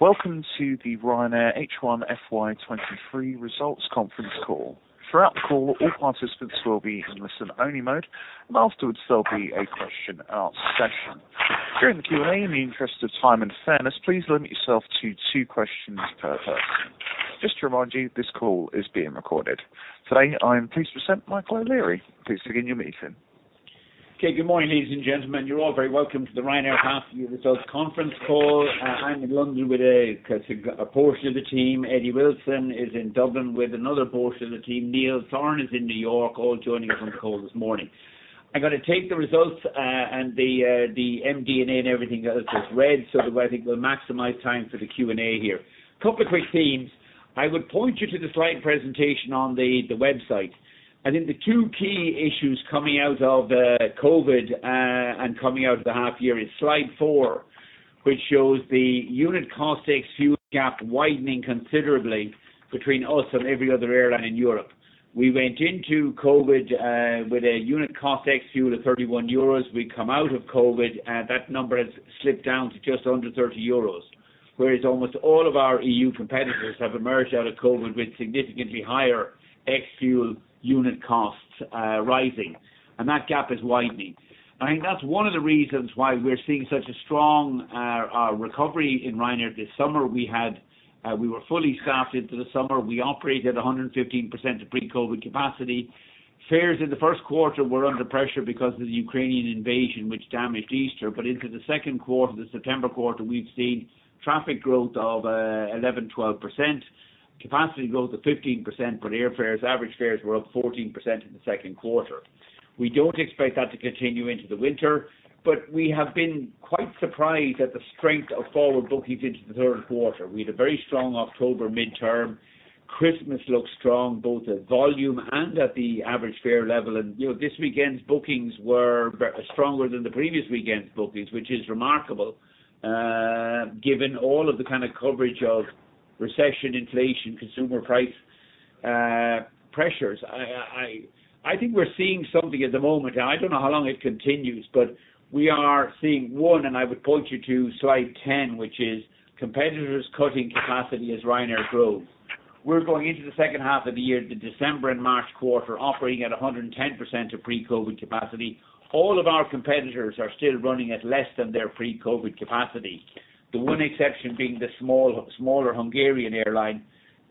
Welcome to the Ryanair H1 FY23 results conference call. Throughout the call, all participants will be in listen-only mode, and afterwards there'll be a Q&A session. During the Q&A, in the interest of time and fairness, please limit yourself to two questions per person. Just to remind you, this call is being recorded. Today, I am pleased to present Michael O'Leary. Please begin your meeting. Okay. Good morning, ladies and gentlemen. You're all very welcome to the Ryanair half year results conference call. I'm in London with a portion of the team. Eddie Wilson is in Dublin with another portion of the team. Neil Sorahan is in New York, all joining us on the call this morning. I'm gonna take the results, and the MD&A and everything that was just read so that way I think we'll maximize time for the Q&A here. Couple of quick themes. I would point you to the slide presentation on the website. I think the two key issues coming out of the COVID, and coming out of the half year is slide four, which shows the unit cost, ex-fuel gap widening considerably between us and every other airline in Europe. We went into COVID with a unit cost, ex-fuel of 31 euros. We come out of COVID, that number has slipped down to just under 30 euros, whereas almost all of our EU competitors have emerged out of COVID with significantly higher ex-fuel unit costs, rising. That gap is widening. I think that's one of the reasons why we're seeing such a strong recovery in Ryanair this summer. We were fully staffed into the summer. We operated 115% of pre-COVID capacity. Fares in the first quarter were under pressure because of the Ukrainian invasion, which damaged Easter. Into the second quarter, the September quarter, we've seen traffic growth of 11%, 12%. Capacity growth of 15% for the airfares. Average fares were up 14% in the second quarter. We don't expect that to continue into the winter, but we have been quite surprised at the strength of forward bookings into the third quarter. We had a very strong October midterm. Christmas looks strong, both at volume and at the average fare level. You know, this weekend's bookings were stronger than the previous weekend's bookings, which is remarkable, given all of the kinda coverage of recession, inflation, consumer price pressures. I think we're seeing something at the moment. I don't know how long it continues, but we are seeing one, and I would point you to slide 10, which is competitors cutting capacity as Ryanair grows. We're going into the second half of the year, the December and March quarter, operating at 110% of pre-COVID capacity. All of our competitors are still running at less than their pre-COVID capacity. The one exception being the smaller Hungarian Airline.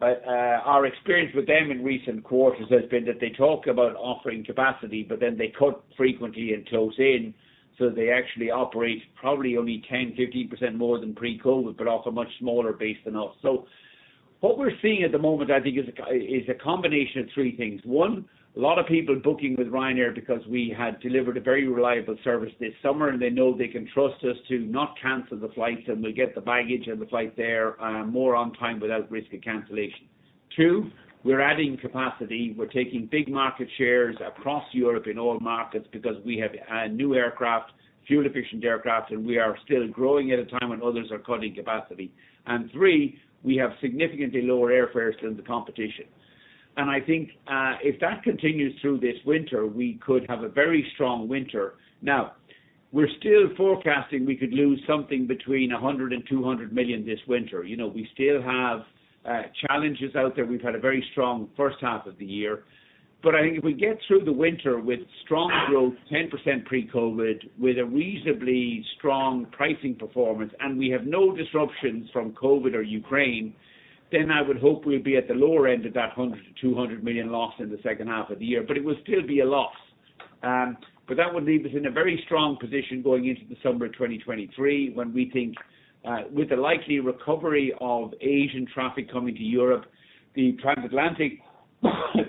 Our experience with them in recent quarters has been that they talk about offering capacity, but then they cut frequently and close in, so they actually operate probably only 10%-15% more than pre-COVID, but off a much smaller base than us. What we're seeing at the moment, I think is a combination of three things. One, a lot of people booking with Ryanair because we had delivered a very reliable service this summer, and they know they can trust us to not cancel the flights, and they get the baggage and the flight there, more on time without risk of cancellation. Two, we're adding capacity. We're taking big market shares across Europe in all markets because we have new aircraft, fuel-efficient aircraft, and we are still growing at a time when others are cutting capacity. Three, we have significantly lower airfares than the competition. I think if that continues through this winter, we could have a very strong winter. Now, we're still forecasting we could lose something between 100 million and 200 million this winter. You know, we still have challenges out there. We've had a very strong first half of the year. I think if we get through the winter with strong growth, 10% pre-COVID, with a reasonably strong pricing performance, and we have no disruptions from COVID or Ukraine, then I would hope we'll be at the lower end of that 100 million-200 million loss in the second half of the year. It will still be a loss. That would leave us in a very strong position going into December 2023, when we think, with the likely recovery of Asian traffic coming to Europe, the transatlantic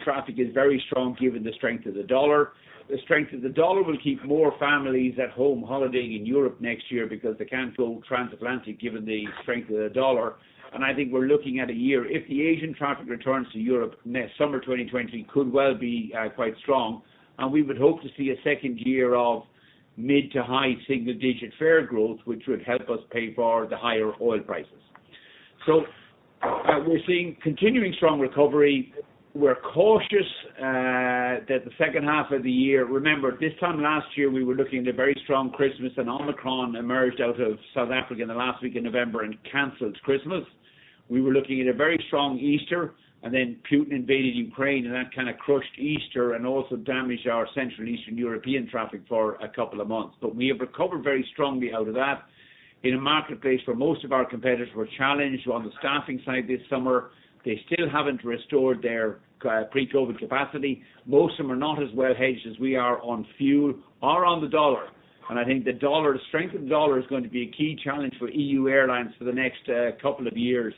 traffic is very strong given the strength of the dollar. The strength of the dollar will keep more families at home holidaying in Europe next year because they can't go transatlantic given the strength of the dollar. I think we're looking at a year, if the Asian traffic returns to Europe next summer, 2023 could well be quite strong, and we would hope to see a second year of mid- to high single-digit fare growth, which would help us pay for the higher oil prices. We're seeing continuing strong recovery. We're cautious that the second half of the year. Remember this time last year, we were looking at a very strong Christmas and Omicron emerged out of South Africa in the last week in November and canceled Christmas. We were looking at a very strong Easter and then Putin invaded Ukraine, and that kinda crushed Easter and also damaged our Central Eastern European traffic for a couple of months. We have recovered very strongly out of that in a marketplace where most of our competitors were challenged on the staffing side this summer. They still haven't restored their pre-COVID capacity. Most of them are not as well hedged as we are on fuel or on the dollar. I think the dollar, the strength of the dollar is going to be a key challenge for EU airlines for the next couple of years.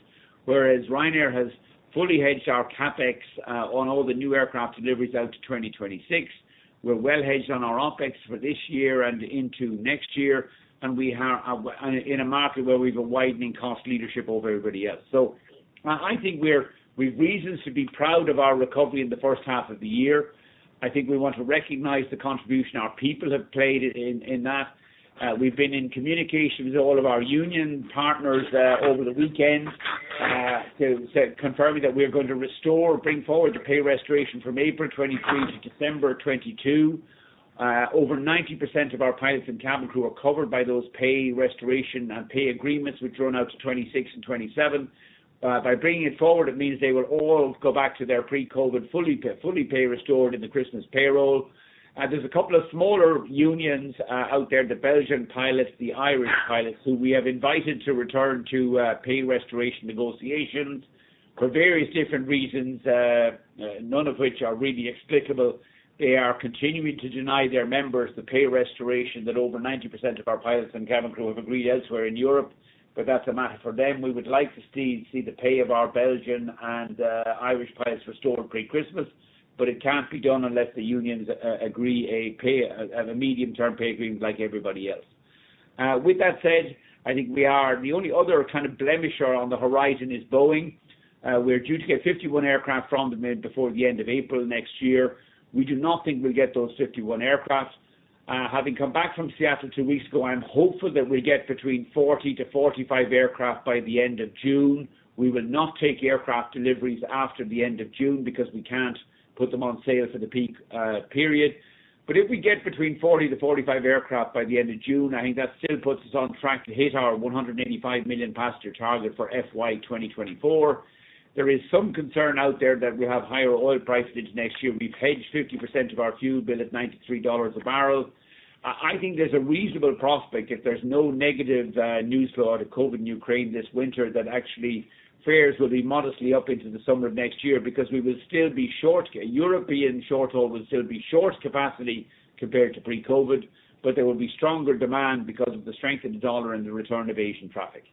Whereas Ryanair has fully hedged our CapEx on all the new aircraft deliveries out to 2026. We're well hedged on our OpEx for this year and into next year, and we have in a market where we've a widening cost leadership over everybody else. I think we've reasons to be proud of our recovery in the first half of the year. I think we want to recognize the contribution our people have played in that. We've been in communication with all of our union partners over the weekend, confirming that we're going to restore or bring forward the pay restoration from April 2023 to December 2022. Over 90% of our pilots and cabin crew are covered by those pay restoration and pay agreements, which run out to 2026 and 2027. By bringing it forward, it means they will all go back to their pre-COVID fully pay restored in the Christmas payroll. There's a couple of smaller unions out there, the Belgian pilots, the Irish pilots, who we have invited to return to pay restoration negotiations for various different reasons, none of which are really explicable. They are continuing to deny their members the pay restoration that over 90% of our pilots and cabin crew have agreed elsewhere in Europe. That's a matter for them. We would like to see the pay of our Belgian and Irish pilots restored pre-Christmas. It can't be done unless the unions agree a medium-term pay agreement like everybody else. With that said, I think the only other kind of blemish on the horizon is Boeing. We're due to get 51 aircraft from them maybe before the end of April next year. We do not think we'll get those 51 aircraft. Having come back from Seattle two weeks ago, I'm hopeful that we get between 40-45 aircraft by the end of June. We will not take aircraft deliveries after the end of June because we can't put them on sale for the peak period. If we get between 40-45 aircraft by the end of June, I think that still puts us on track to hit our 185 million passenger target for FY 2024. There is some concern out there that we have higher oil prices into next year. We've hedged 50% of our fuel bill at $93 a barrel. I think there's a reasonable prospect if there's no negative news flow out of COVID in Ukraine this winter that actually fares will be modestly up into the summer of next year because we will still be short. European short-haul will still be short capacity compared to pre-COVID, but there will be stronger demand because of the strength of the dollar and the return of Asian traffic.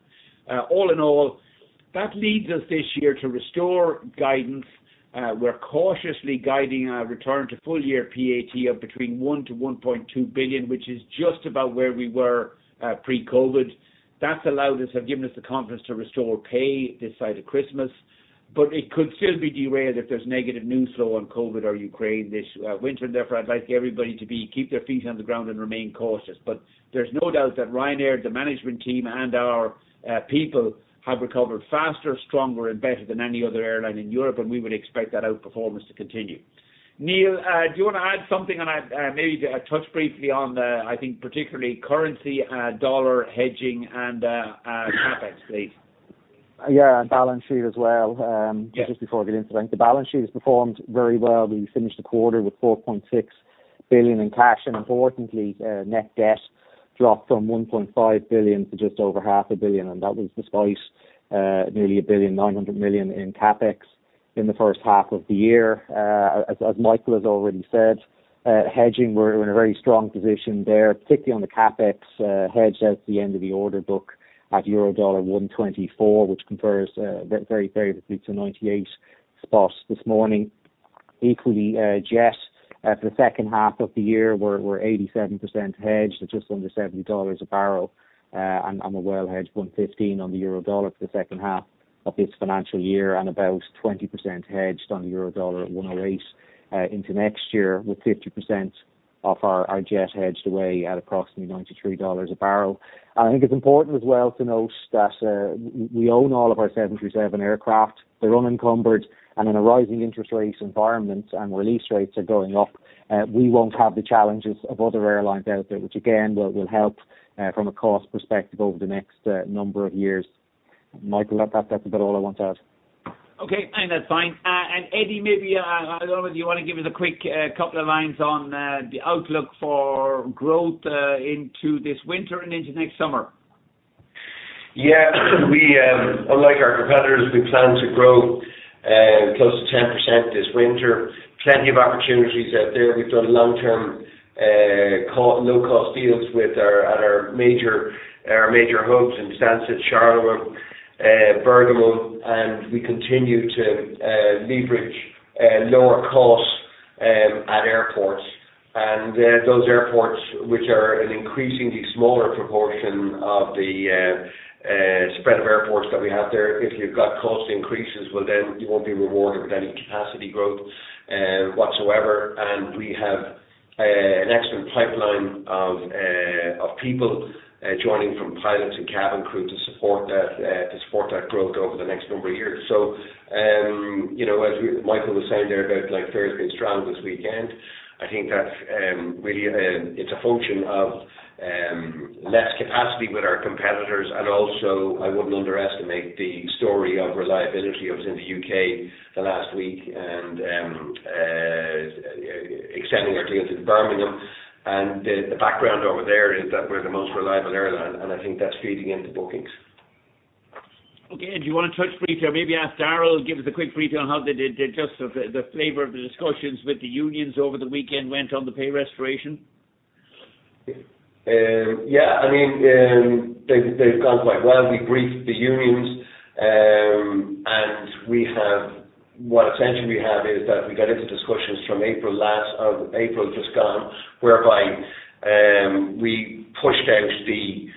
All in all, that leads us this year to restore guidance. We're cautiously guiding our return to full-year PAT of 1 million-1.2 billion, which is just about where we were pre-COVID. That's given us the confidence to restore pay this side of Christmas. It could still be derailed if there's negative news flow on COVID or Ukraine this winter. Therefore, I'd like everybody to keep their feet on the ground and remain cautious. There's no doubt that Ryanair, the management team and our people have recovered faster, stronger and better than any other airline in Europe, and we would expect that outperformance to continue. Neil, do you want to add something and maybe touch briefly on the, I think particularly currency, dollar hedging and CapEx, please? Yeah, balance sheet as well. Yeah. Just before I get into lunch. The balance sheet has performed very well. We finished the quarter with 4.6 billion in cash, and importantly, net debt dropped from 1.5 billion to just over half a billion. That was despite nearly 1.9 billion in CapEx in the first half of the year. As Michael has already said, hedging, we're in a very strong position there, particularly on the CapEx, hedged out to the end of the order book at EUR/USD 1.24, which compares very favorably to 0.98 spot this morning. Equally, Jet, for the second half of the year we're 87% hedged at just under $70 a barrel, and on a well hedged 1.15 on the Euro Dollar for the second half of this financial year and about 20% hedged on the Euro Dollar at 1.08, into next year, with 50% of our Jet hedged away at approximately $93 a barrel. I think it's important as well to note that, we own all of our 737 aircraft. They're unencumbered and in a rising interest rate environment and lease rates are going up. We won't have the challenges of other airlines out there, which again, will help, from a cost perspective over the next, number of years. Michael, that's about all I want to add. Okay. That's fine. Eddie, maybe I don't know whether you want to give us a quick couple of lines on the outlook for growth into this winter and into next summer. Yeah. We, unlike our competitors, we plan to grow close to 10% this winter. Plenty of opportunities out there. We've done long-term low cost deals with our major hubs in Stansted, Charleroi, Bergamo, and we continue to leverage lower costs at airports. Those airports, which are an increasingly smaller proportion of the spread of airports that we have there. If you've got cost increases, well then you won't be rewarded with any capacity growth whatsoever. We have an excellent pipeline of people joining from pilots and cabin crew to support that growth over the next number of years. You know, Michael was saying there about like fares being strong this weekend. I think that really it's a function of less capacity with our competitors. Also I wouldn't underestimate the story of reliability. I was in the UK the last week and extending our deal to Birmingham. The background over there is that we're the most reliable airline and I think that's feeding into bookings. Okay. Eddie, do you want to touch briefly or maybe ask Darrell, give us a quick brief on how the gist of the flavor of the discussions with the unions over the weekend went on the pay restoration? Yeah, I mean, they've gone quite well. We briefed the unions, and we have what essentially we have is that we got into discussions from April last, or April just gone, whereby we pushed out the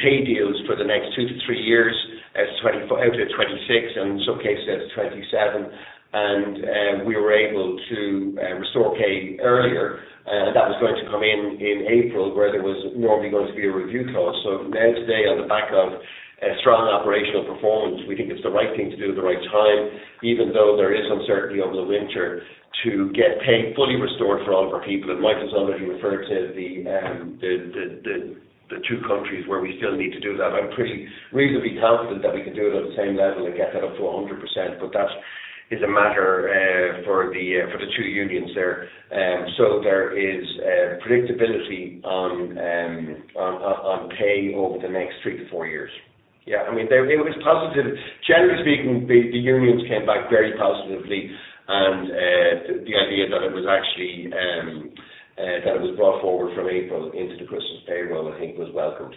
pay deals for the next two to three years at 2024 out to 2026 and in some cases 2027. We were able to restore pay earlier. That was going to come in in April, where there was normally going to be a review clause. As of now today on the back of A strong operational performance. We think it's the right thing to do at the right time, even though there is uncertainty over the winter to get pay fully restored for all of our people. Michael's already referred to the two countries where we still need to do that. I'm pretty reasonably confident that we can do it at the same level and get that up to 100%, but that is a matter for the two unions there. There is predictability on pay over the next three to four years. Yeah. I mean, it was positive. Generally speaking, the unions came back very positively and the idea that it was actually brought forward from April into the Christmas payroll, I think was welcomed.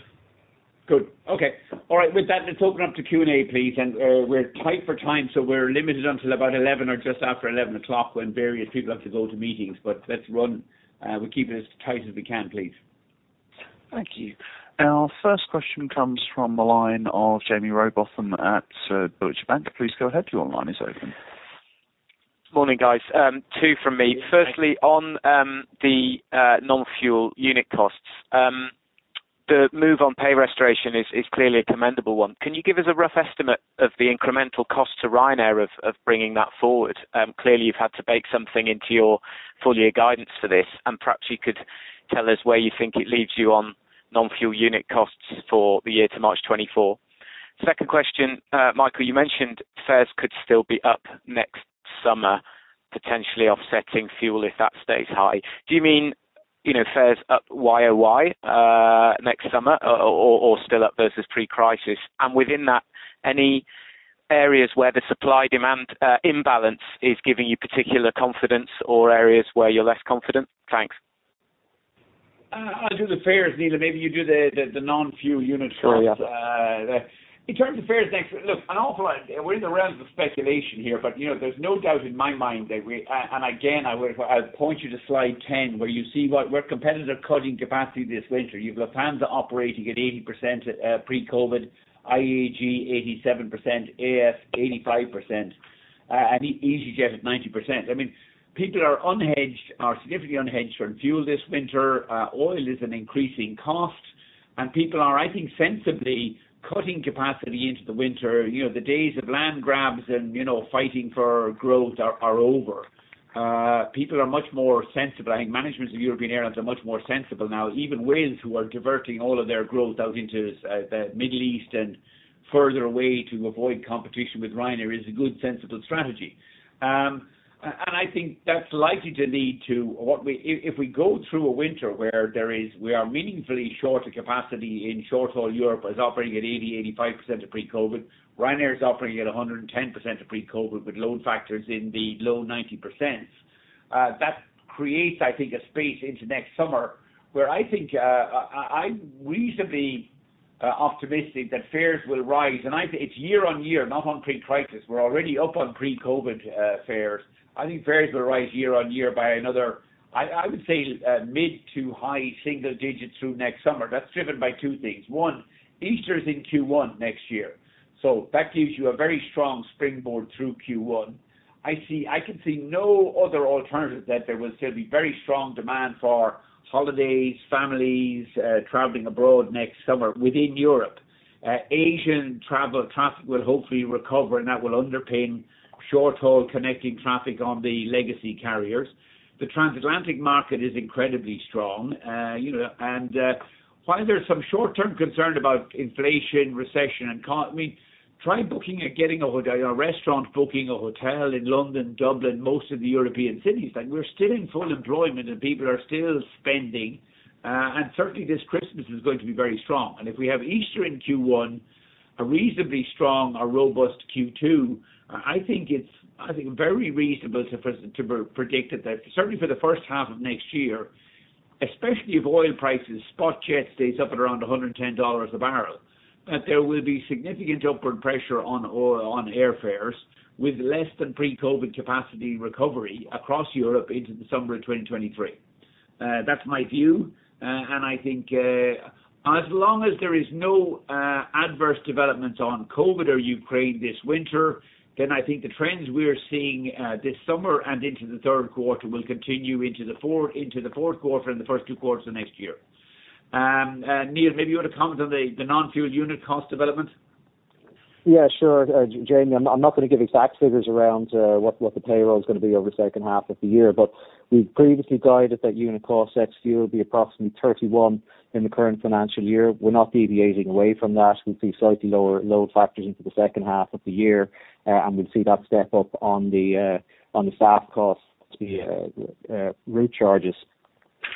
Good. Okay. All right. With that, let's open up to Q&A please. We're tight for time, so we're limited until about 11 or just after 11 o'clock when various people have to go to meetings. Let's run, we keep it as tight as we can, please. Thank you. Our first question comes from the line of Jaime Rowbotham at Deutsche Bank. Please go ahead. Your line is open. Morning, guys. Two from me. Firstly, on the non-fuel unit costs. The move on pay restoration is clearly a commendable one. Can you give us a rough estimate of the incremental cost to Ryanair of bringing that forward? Clearly you've had to bake something into your full year guidance for this, and perhaps you could tell us where you think it leaves you on non-fuel unit costs for the year to March 2024. Second question. Michael, you mentioned fares could still be up next summer, potentially offsetting fuel if that stays high. Do you mean, you know, fares up YoY next summer or still up versus pre-crisis? And within that, any areas where the supply-demand imbalance is giving you particular confidence or areas where you're less confident? Thanks. I'll do the fares, Neil, and maybe you do the non-fuel unit costs. Sure, yeah. In terms of fares, thanks. Look, an awful lot. We're in the realms of speculation here, but, you know, there's no doubt in my mind that we. And again, I would. I'll point you to slide 10, where you see what we're competitively cutting capacity this winter. You've got Lufthansa operating at 80% pre-COVID, IAG 87%, AF 85%, and easyJet at 90%. I mean, people are unhedged or significantly unhedged for fuel this winter. Oil is an increasing cost, and people are, I think, sensibly cutting capacity into the winter. You know, the days of land grabs and, you know, fighting for growth are over. People are much more sensible. I think managements of European airlines are much more sensible now. Even Wizz, who are diverting all of their growth out into the Middle East and further away to avoid competition with Ryanair, is a good, sensible strategy. I think that's likely to lead to. If we go through a winter where there is we are meaningfully shorter capacity in short-haul Europe is operating at 80%-85% of pre-COVID. Ryanair is operating at 110% of pre-COVID with load factors in the low 90%. That creates, I think, a space into next summer where I think, I'm reasonably optimistic that fares will rise. It's year-on-year, not on pre-crisis. We're already up on pre-COVID fares. I think fares will rise year-on-year by another, I would say, mid to high single digits through next summer. That's driven by two things. One, Easter is in Q1 next year, so that gives you a very strong springboard through Q1. I can see no other alternative that there will still be very strong demand for holidays, families traveling abroad next summer within Europe. Asian travel traffic will hopefully recover, and that will underpin short-haul connecting traffic on the legacy carriers. The transatlantic market is incredibly strong. You know, and while there's some short-term concern about inflation, recession and I mean, try booking or getting a restaurant booking or hotel in London, Dublin, most of the European cities. Like, we're still in full employment, and people are still spending, and certainly this Christmas is going to be very strong. If we have Easter in Q1, a reasonably strong or robust Q2, I think it's very reasonable to predict that, certainly for the first half of next year, especially if oil prices spot jet stays up at around $110 a barrel, that there will be significant upward pressure on airfares with less than pre-COVID capacity recovery across Europe into the summer of 2023. That's my view. I think, as long as there is no adverse developments on COVID or Ukraine this winter, then I think the trends we're seeing this summer and into the third quarter will continue into the fourth quarter and the first two quarters of next year. Neil, maybe you want to comment on the non-fuel unit cost development? Yeah, sure, Jamie, I'm not gonna give exact figures around what the payroll is gonna be over the second half of the year, but we've previously guided that unit cost ex fuel will be approximately 31 in the current financial year. We're not deviating away from that. We'll see slightly lower load factors into the second half of the year, and we'll see that step up on the staff costs via route charges.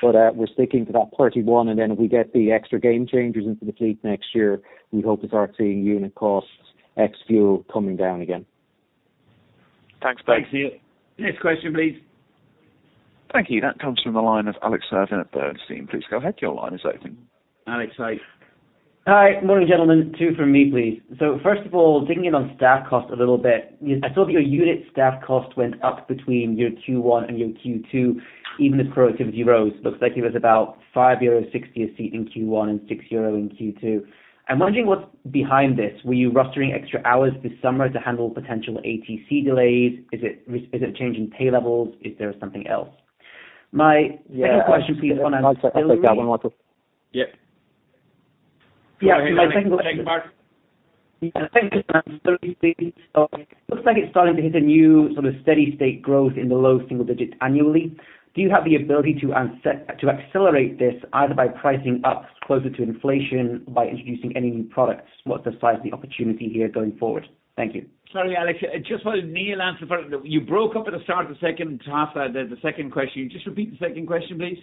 We're sticking to that 31, and then if we get the extra Gamechangers into the fleet next year, we hope to start seeing unit costs, ex fuel, coming down again. Thanks, both. Thanks to you. Next question, please. Thank you. That comes from the line of Alex Irving at Bernstein. Please go ahead. Your line is open. Alex Irving. Hi. Morning, gentlemen. Two from me, please. First of all, digging in on staff cost a little bit, I saw that your unit staff cost went up between your Q1 and your Q2, even as productivity rose. Looks like it was about 5.60 euro a seat in Q1 and 6.0 euro in Q2. I'm wondering what's behind this. Were you rostering extra hours this summer to handle potential ATC delays? Is it a change in pay levels? Is there something else? My second question, please. Yeah. Yeah. My second question. Looks like it's starting to hit a new sort of steady state growth in the low single digits annually. Do you have the ability to accelerate this either by pricing up closer to inflation, by introducing any new products? What's the size of the opportunity here going forward? Thank you. Sorry, Alex, just while Neil answers that one. You broke up at the start of the second half, the second question. Just repeat the second question, please.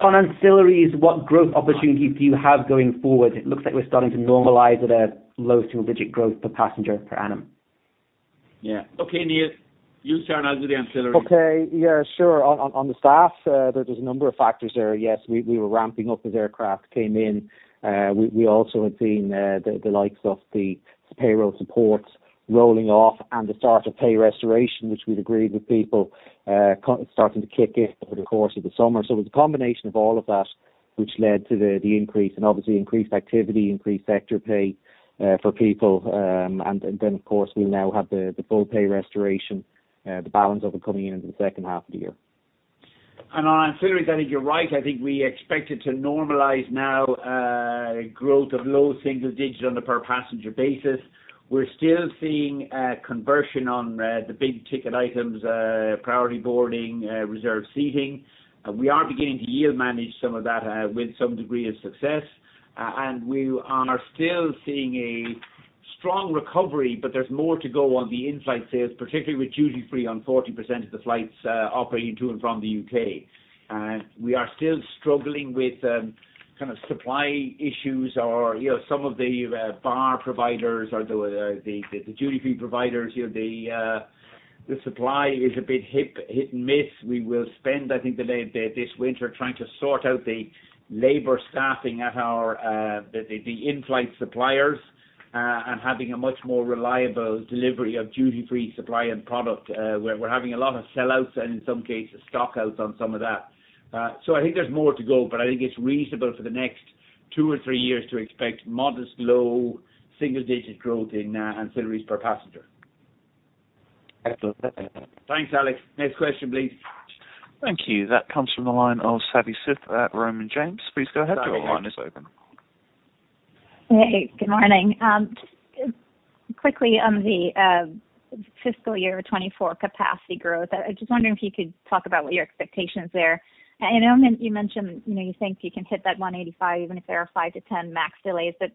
On ancillaries, what growth opportunities do you have going forward? It looks like we're starting to normalize at a low single-digit growth per passenger per annum. Yeah. Okay, Neil, you start and I'll do the ancillary. Okay. Yeah, sure. On the staff, there's a number of factors there. Yes, we were ramping up as aircraft came in. We also had seen the likes of the payroll support rolling off and the start of pay restoration, which we'd agreed with people, starting to kick in over the course of the summer. It was a combination of all of that which led to the increase and obviously increased activity, increased sector pay, for people. Then, of course, we now have the full pay restoration, the balance of it coming in into the second half of the year. On ancillaries, I think you're right. I think we expect it to normalize now, growth of low single-digit on a per passenger basis. We're still seeing conversion on the big ticket items, priority boarding, reserve seating. We are beginning to yield manage some of that with some degree of success. We are still seeing a strong recovery, but there's more to go on the in-flight sales, particularly with duty-free on 40% of the flights operating to and from the U.K.. We are still struggling with kind of supply issues or, you know, some of the bar providers or the duty-free providers. You know, the supply is a bit hit and miss. We will spend, I think, this winter trying to sort out the labor staffing at our the in-flight suppliers and having a much more reliable delivery of duty-free supply and product. We're having a lot of sellouts and in some cases stock outs on some of that. I think there's more to go, but I think it's reasonable for the next two or three years to expect modest, low single-digit growth in ancillaries per passenger. Excellent. Thanks, Alex. Next question, please. Thank you. That comes from the line of Savi Syth at Raymond James. Please go ahead. Your line is open. Savi, go ahead. Hey, good morning. Just quickly on the fiscal year 2024 capacity growth, I'm just wondering if you could talk about what your expectations there. I know you mentioned, you know, you think you can hit that 185 even if there are 5-10 MAX delays. Does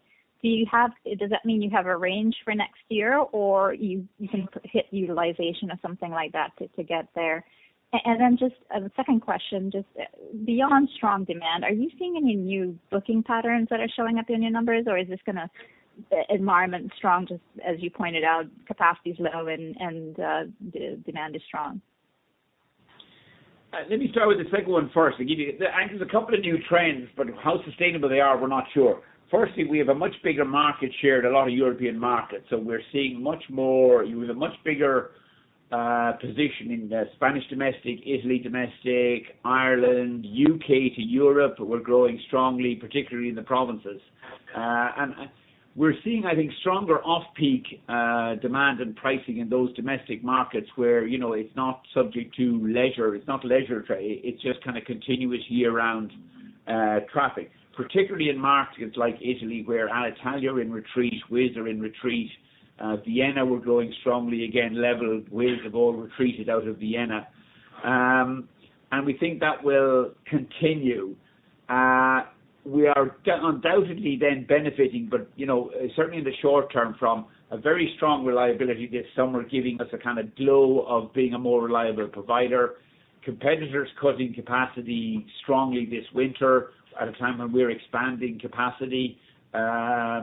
that mean you have a range for next year or you can hit utilization of something like that to get there? Then just a second question. Just beyond strong demand, are you seeing any new booking patterns that are showing up in your numbers, or is this the environment strong, just as you pointed out, capacity is low and demand is strong? Let me start with the second one first and give you. There's a couple of new trends, but how sustainable they are, we're not sure. Firstly, we have a much bigger market share in a lot of European markets, so we're seeing much more with a much bigger position in the Spanish domestic, Italy domestic, Ireland, U.K. to Europe. We're growing strongly, particularly in the provinces. We're seeing, I think, stronger off-peak demand and pricing in those domestic markets where, you know, it's not subject to leisure, it's not leisure, it's just kind of continuous year-round traffic, particularly in markets like Italy, where Alitalia are in retreat, Wizz are in retreat. Vienna we're growing strongly again. Level, Wizz have all retreated out of Vienna. We think that will continue. We are undoubtedly then benefiting but, you know, certainly in the short term from a very strong reliability this summer giving us a kind of glow of being a more reliable provider. Competitors cutting capacity strongly this winter at a time when we're expanding capacity. I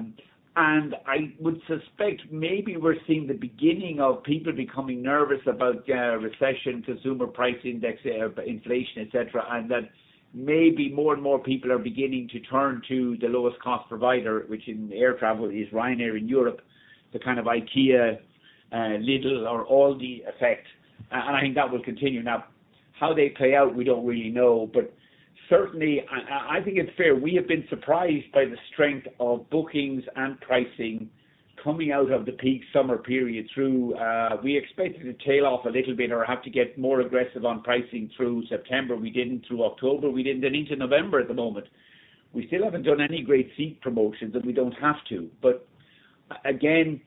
would suspect maybe we're seeing the beginning of people becoming nervous about recession, consumer price index, inflation, et cetera. That maybe more and more people are beginning to turn to the lowest cost provider, which in air travel is Ryanair in Europe, the kind of IKEA, Lidl or Aldi effect. I think that will continue. Now, how they play out, we don't really know. Certainly I think it's fair. We have been surprised by the strength of bookings and pricing coming out of the peak summer period through. We expected to tail off a little bit or have to get more aggressive on pricing through September. We didn't through October, we didn't and into November at the moment. We still haven't done any great seat promotions, and we don't have to. Again,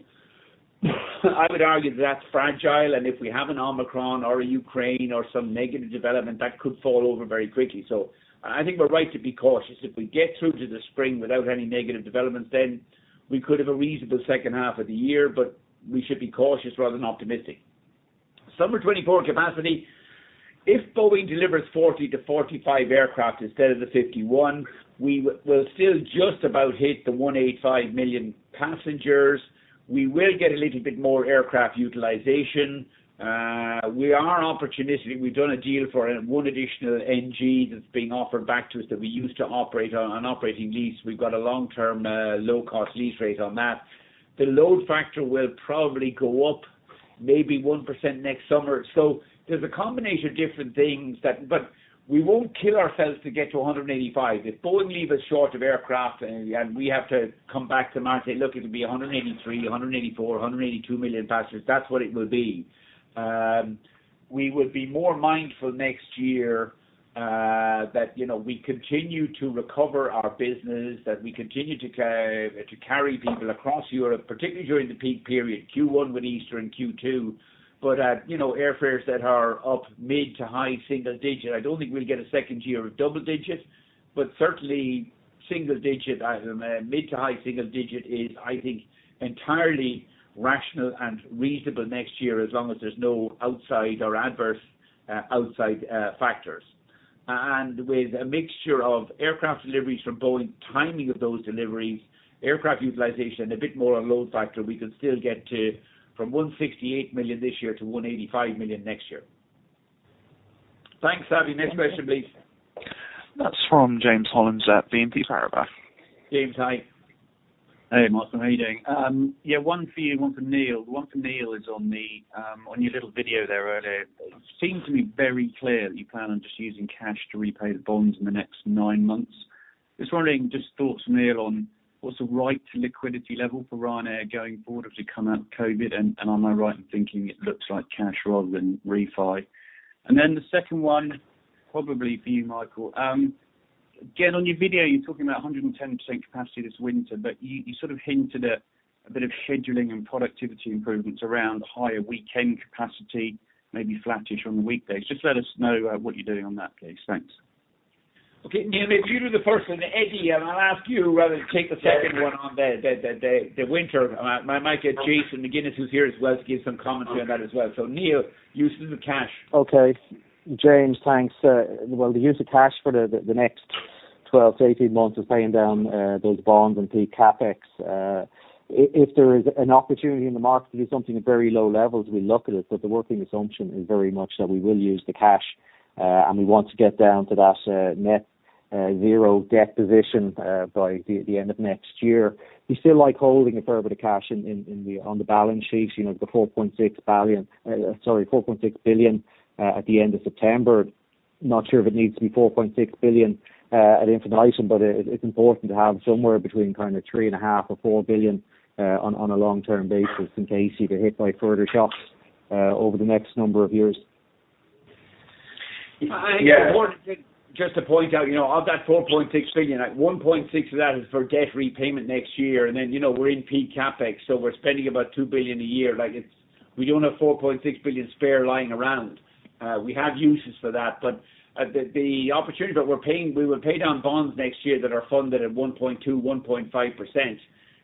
I would argue that's fragile and if we have an Omicron or a Ukraine or some negative development, that could fall over very quickly. I think we're right to be cautious. If we get through to the spring without any negative developments, then we could have a reasonable second half of the year. We should be cautious rather than optimistic. Summer 2024 capacity. If Boeing delivers 40-45 aircraft instead of the 51, we will still just about hit the 185 million passengers. We will get a little bit more aircraft utilization. We are opportunistic. We've done a deal for 1 additional NG that's being offered back to us that we used to operate on operating lease. We've got a long-term low cost lease rate on that. The load factor will probably go up maybe 1% next summer. So there's a combination of different things. We won't kill ourselves to get to 185. If Boeing leave us short of aircraft and we have to come back to market and say, "Look, it'll be 183, 184, 182 million passengers," that's what it will be. We would be more mindful next year that, you know, we continue to recover our business, that we continue to carry people across Europe, particularly during the peak period Q1 with Easter and Q2. You know, airfares that are up mid- to high-single-digit. I don't think we'll get a second year of double digits, but certainly single digit, I mean, mid- to high-single-digit is, I think, entirely rational and reasonable next year as long as there's no outside or adverse factors. With a mixture of aircraft deliveries from Boeing, timing of those deliveries, aircraft utilization, a bit more on load factor, we could still get from 168 million this year to 185 million next year. Thanks, Savi. Next question, please. That's from James Hollins at BNP Paribas. James, hi. Hey, Michael, how are you doing? Yeah, one for you, one for Neil. One for Neil is on your little video there earlier. It seemed to be very clear that you plan on just using cash to repay the bonds in the next nine months. Just wondering thoughts, Neil, on what's the right liquidity level for Ryanair going forward as we come out of COVID, and am I right in thinking it looks like cash rather than refi? Then the second one, probably for you, Michael. Again, on your video, you're talking about 110% capacity this winter, but you sort of hinted at a bit of scheduling and productivity improvements around higher weekend capacity, maybe flattish on the weekdays. Just let us know what you're doing on that please. Thanks. Okay. Neil, if you do the first one. Eddie, I'll ask you rather to take the second one on the winter. I might get Jason McGuinness, who's here as well, to give some commentary on that as well. Neil, use of the cash. Okay. James, thanks. The use of cash for the next 12-18 months is paying down those bonds and peak CapEx. If there is an opportunity in the market to do something at very low levels, we look at it. The working assumption is very much that we will use the cash and we want to get down to that net zero debt position by the end of next year. We still like holding a fair bit of cash on the balance sheet, you know, 4.6 billion at the end of September. Not sure if it needs to be 4.6 billion at infinitum, but it's important to have somewhere between kind of 3.5 billion or 4 billion on a long-term basis in case you get hit by further shocks over the next number of years. It's important to. Yeah. Just to point out, you know, of that 4.6 billion, like 1.6 of that is for debt repayment next year. You know, we're in peak CapEx, so we're spending about 2 billion a year. Like it's we don't have 4.6 billion spare lying around. We have uses for that. The opportunity that we will pay down bonds next year that are funded at 1.2%, 1.5%.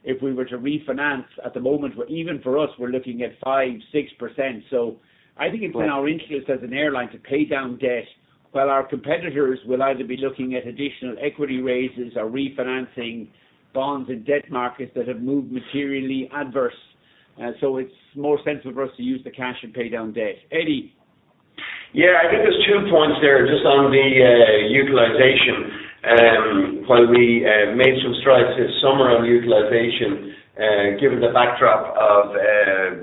If we were to refinance at the moment, even for us, we're looking at 5%, 6%. I think it's in our interest as an airline to pay down debt while our competitors will either be looking at additional equity raises or refinancing bonds and debt markets that have moved materially adverse. It's more sensible for us to use the cash to pay down debt. Eddie. I think there's two points there just on the utilization. While we made some strides this summer on utilization, given the backdrop of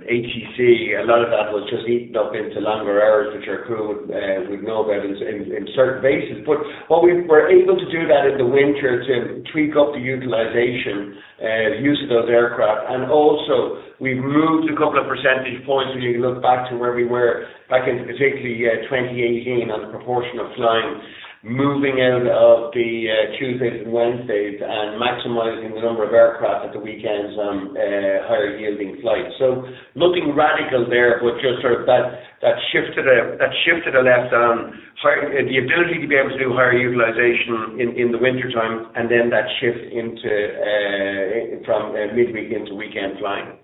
ATC, a lot of that was just eaten up into longer hours, which are crew, as we know, but in certain bases. While we were able to do that in the winter to tweak up the utilization, use of those aircraft, and also we've moved a couple of percentage points. If you look back to where we were back in particularly 2018 on the proportion of flying, moving out of the Tuesdays and Wednesdays and maximizing the number of aircraft at the weekends on higher yielding flights. Nothing radical there, but just sort of that shift to the left on higher. The ability to be able to do higher utilization in the wintertime and then that shift into from midweek into weekend flying.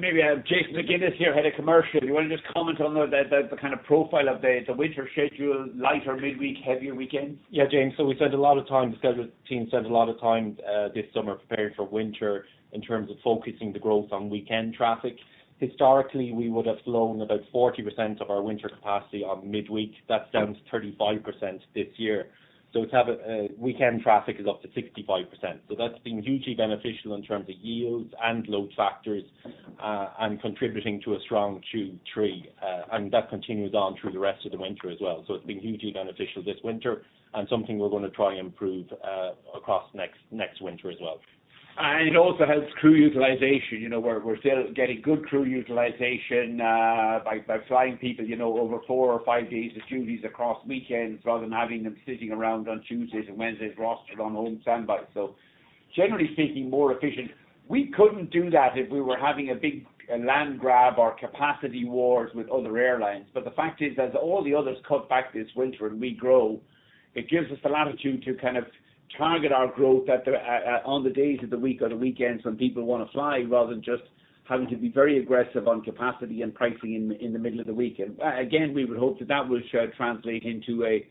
Maybe I have Jason McGuinness here, Head of Commercial. You want to just comment on the kind of profile of the winter schedule, lighter midweek, heavier weekends? Yeah, James. We spent a lot of time, the schedule team spent a lot of time this summer preparing for winter in terms of focusing the growth on weekend traffic. Historically, we would have flown about 40% of our winter capacity on midweek. That's down to 35% this year. Weekend traffic is up to 65%. That's been hugely beneficial in terms of yields and load factors and contributing to a strong Q3, and that continues on through the rest of the winter as well. It's been hugely beneficial this winter and something we're gonna try and improve across next winter as well. It also helps crew utilization. You know, we're still getting good crew utilization by flying people, you know, over four or five days and duties across weekends rather than having them sitting around on Tuesdays and Wednesdays rostered on home standby. Generally speaking, more efficient. We couldn't do that if we were having a big land grab or capacity wars with other airlines. The fact is, as all the others cut back this winter and we grow, it gives us the latitude to kind of target our growth on the days of the week or the weekends when people wanna fly, rather than just having to be very aggressive on capacity and pricing in the middle of the week. Again, we would hope that will translate into a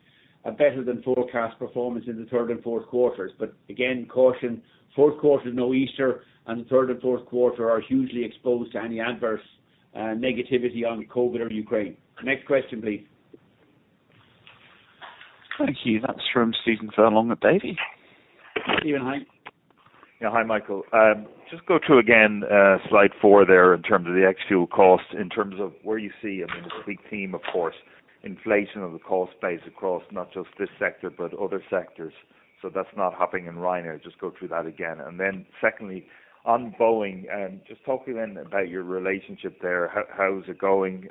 better than forecast performance in the third and fourth quarters. Again, caution, fourth quarter's no Easter and the third and fourth quarter are hugely exposed to any adverse negativity on COVID or Ukraine. Next question, please. Thank you. That's from Stephen Furlong at Davy. Stephen, hi. Yeah. Hi, Michael. Just go through again, slide four there in terms of the ex-fuel costs, in terms of where you see, I mean, the big theme, of course, inflation of the cost base across not just this sector but other sectors. That's not happening in Ryanair. Just go through that again. Then secondly, on Boeing, just talk again about your relationship there. How is it going?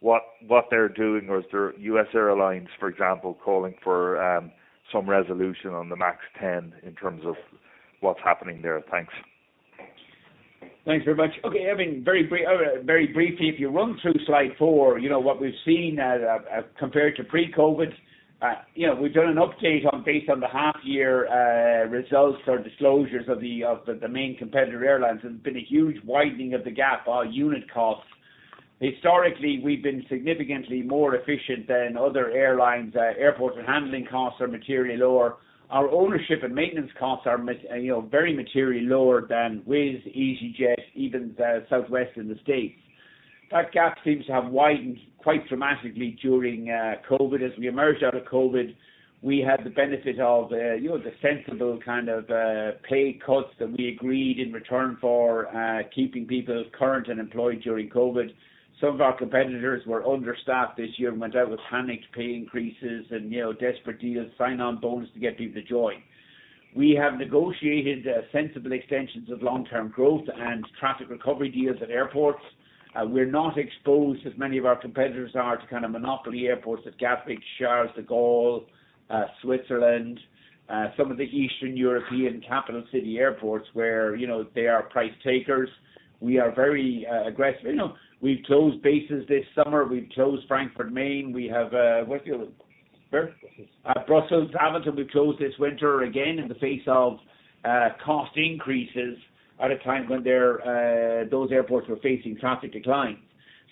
What they're doing? Or is there U.S. airlines, for example, calling for some resolution on the MAX-10 in terms of what's happening there? Thanks. Thanks very much. Okay. I mean, very briefly, if you run through slide four, you know, what we've seen compared to pre-COVID, you know, we've done an update on based on the half year results or disclosures of the main competitor airlines. There's been a huge widening of the gap, our unit costs. Historically, we've been significantly more efficient than other airlines. Airport and handling costs are materially lower. Our ownership and maintenance costs are, you know, very materially lower than with easyJet, even the Southwest in the States. That gap seems to have widened quite dramatically during COVID. As we emerged out of COVID, we had the benefit of, you know, the sensible kind of pay cuts that we agreed in return for keeping people current and employed during COVID. Some of our competitors were understaffed this year and went out with panicked pay increases and, you know, desperate deals, sign-on bonus to get people to join. We have negotiated sensible extensions of long-term growth and traffic recovery deals at airports. We're not exposed as many of our competitors are to kind of monopoly airports at Gatwick, Charles de Gaulle, Switzerland, some of the Eastern European capital city airports where, you know, they are price takers. We are very aggressive. You know, we've closed bases this summer. We've closed Frankfurt Main. We have, what's the other? Brussels. Brussels, Amsterdam we've closed this winter again in the face of cost increases at a time when those airports were facing traffic declines.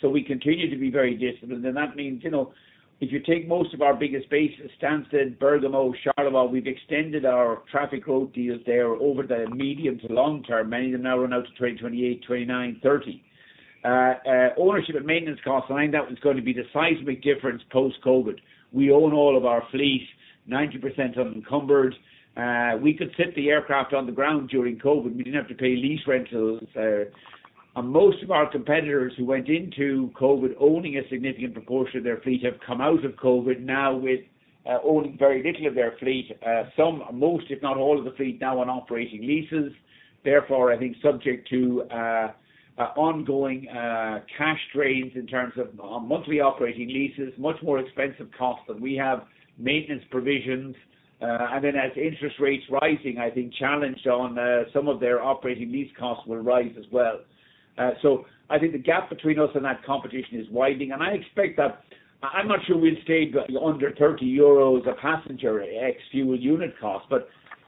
We continue to be very disciplined. That means, you know, if you take most of our biggest bases, Stansted, Bergamo, Charleroi, we've extended our traffic growth deals there over the medium to long term. Many of them now run out to 2028, 2029, 2030. Ownership and maintenance costs, I think that was going to be the seismic difference post-COVID. We own all of our fleet, 90% unencumbered. We could sit the aircraft on the ground during COVID. We didn't have to pay lease rentals. Most of our competitors who went into COVID owning a significant proportion of their fleet have come out of COVID now with owning very little of their fleet. Most, if not all, of the fleet now on operating leases, therefore, I think subject to ongoing cash drains in terms of monthly operating leases, much more expensive cost than we have maintenance provisions. As interest rates rising, I think challenge on some of their operating lease costs will rise as well. I think the gap between us and that competition is widening, and I expect that. I'm not sure we'll stay under 30 euros a passenger ex-fuel unit cost.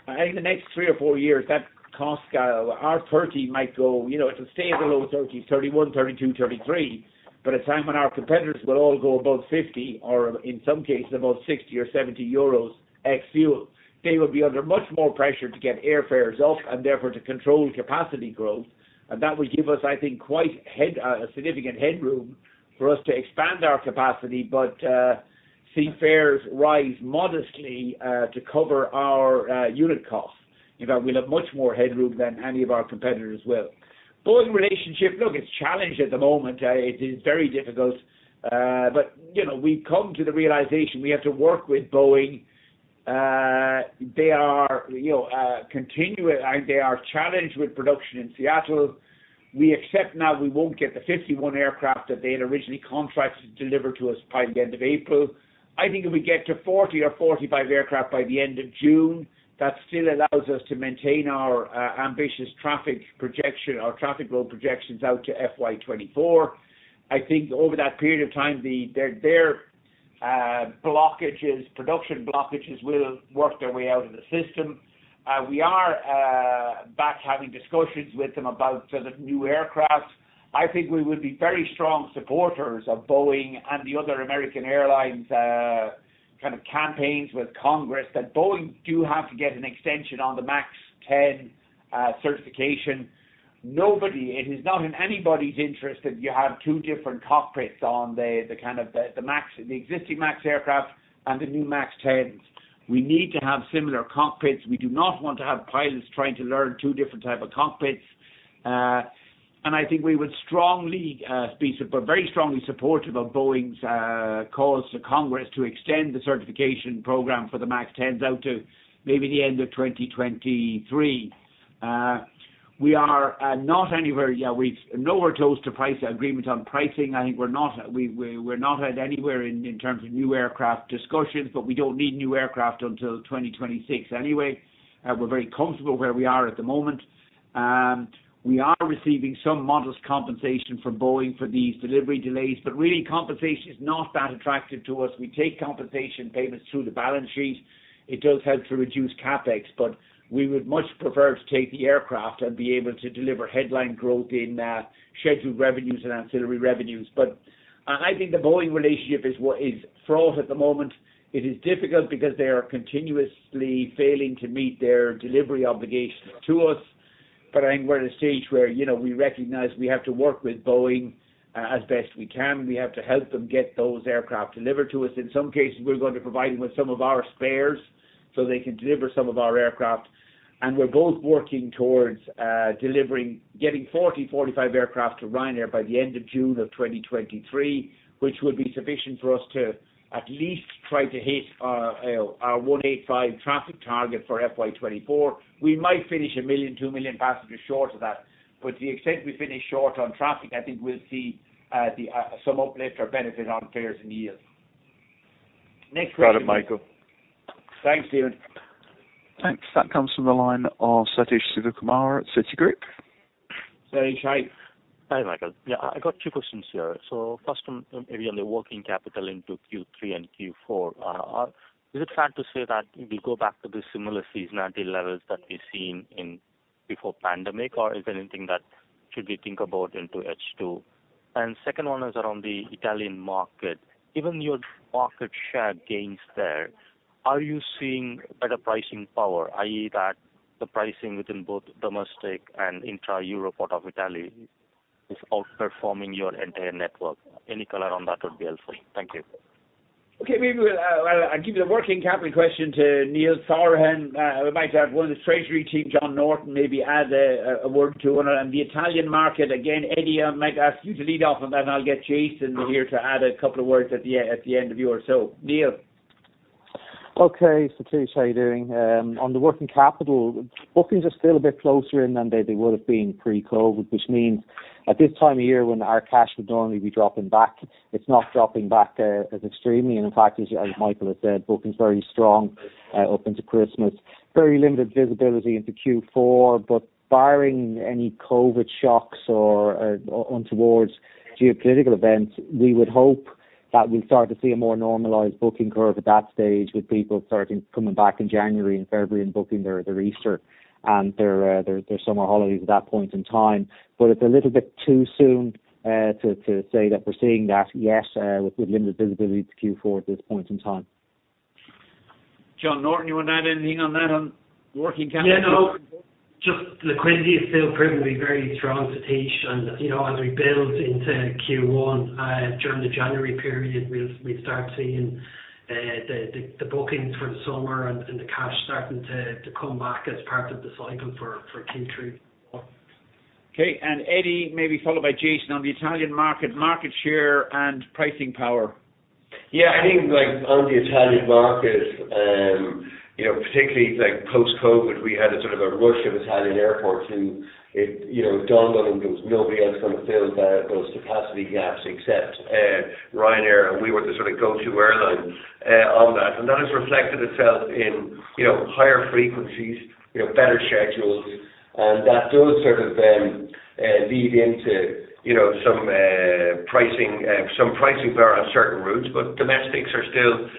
I think the next three or four years, that cost, our 30 might go, you know, it'll stay below 30, 31, 32, 33. A time when our competitors will all go above 50 or in some cases above 60 or 70 euros ex-fuel, they will be under much more pressure to get airfares up and therefore to control capacity growth. That will give us, I think, quite a significant headroom for us to expand our capacity, but see fares rise modestly to cover our unit cost. In fact, we'll have much more headroom than any of our competitors will. Boeing relationship. Look, it's challenged at the moment. It is very difficult. But you know, we've come to the realization we have to work with Boeing. They are, you know, and they are challenged with production in Seattle. We accept now we won't get the 51 aircraft that they had originally contracted to deliver to us by the end of April. I think if we get to 40 or 45 aircraft by the end of June, that still allows us to maintain our ambitious traffic projection or traffic growth projections out to FY 2024. I think over that period of time, their production blockages will work their way out of the system. We are back having discussions with them about sort of new aircraft. I think we would be very strong supporters of Boeing and the other American airlines kind of campaigns with Congress that Boeing do have to get an extension on the MAX-10 certification. It is not in anybody's interest that you have two different cockpits on the MAX, the existing MAX aircraft and the new MAX-10s. We need to have similar cockpits. We do not want to have pilots trying to learn two different type of cockpits. I think we would very strongly supportive of Boeing's calls to Congress to extend the certification program for the Max 10s out to maybe the end of 2023. We are not anywhere. We're nowhere close to agreements on pricing. I think we're not at anywhere in terms of new aircraft discussions, but we don't need new aircraft until 2026 anyway. We're very comfortable where we are at the moment. We are receiving some modest compensation from Boeing for these delivery delays, but really compensation is not that attractive to us. We take compensation payments through the balance sheet. It does help to reduce CapEx, but we would much prefer to take the aircraft and be able to deliver headline growth in scheduled revenues and ancillary revenues. I think the Boeing relationship is what is fraught at the moment. It is difficult because they are continuously failing to meet their delivery obligations to us. I think we're at a stage where, you know, we recognize we have to work with Boeing as best we can. We have to help them get those aircraft delivered to us. In some cases, we're going to provide them with some of our spares so they can deliver some of our aircraft. We're both working towards getting 40-45 aircraft to Ryanair by the end of June of 2023, which would be sufficient for us to at least try to hit our 185 traffic target for FY 2024. We might finish 1-2 million passengers short of that. To the extent we finish short on traffic, I think we'll see some uplift or benefit on fares and yields. Next question, please. Got it, Michael. Thanks, Stephen. Thanks. That comes from the line of Sathish Sivakumar at Citigroup. Sathish, hi. Hi, Michael. Yeah, I got two questions here. First one maybe on the working capital into Q3 and Q4. Is it fair to say that we go back to the similar seasonality levels that we've seen in pre-pandemic, or is there anything that we should think about into H2? Second one is around the Italian market. Given your market share gains there, are you seeing better pricing power, i.e., that the pricing within both domestic and intra-Europe out of Italy is outperforming your entire network? Any color on that would be helpful. Thank you. Maybe I'll give the working capital question to Neil Sorahan. We might have one of the treasury team, John Hurley, maybe add a word or two on it. The Italian market, again, Eddie, I might ask you to lead off on that, and I'll get Jason here to add a couple of words at the end of yours. Neil. Okay. Sathish, how you doing? On the working capital, bookings are still a bit closer in than they would've been pre-COVID, which means at this time of year when our cash would normally be dropping back, it's not dropping back as extremely. In fact, as Michael has said, booking's very strong up into Christmas. Very limited visibility into Q4, but barring any COVID shocks or untoward geopolitical events, we would hope that we start to see a more normalized booking curve at that stage, with people starting to come back in January and February and booking their Easter and their summer holidays at that point in time. It's a little bit too soon to say that we're seeing that yet, with limited visibility to Q4 at this point in time. John Hurley, you wanna add anything on that, on working capital? Yeah, no. Just liquidity is still proving to be very strong, Sathish. You know, as we build into Q1, during the January period, we start seeing the bookings for the summer and the cash starting to come back as part of the cycle for Q3. Okay. Eddie, maybe followed by Jason on the Italian market share and pricing power. Yeah. I think like on the Italian market, you know, particularly like post-COVID, we had a sort of a rush of Italian airports who it dawned on them there was nobody else gonna fill those capacity gaps except Ryanair. We were the sort of go-to airline on that. That has reflected itself in, you know, higher frequencies, you know, better schedules. That does sort of lead into, you know, some pricing power on certain routes. Domestics are still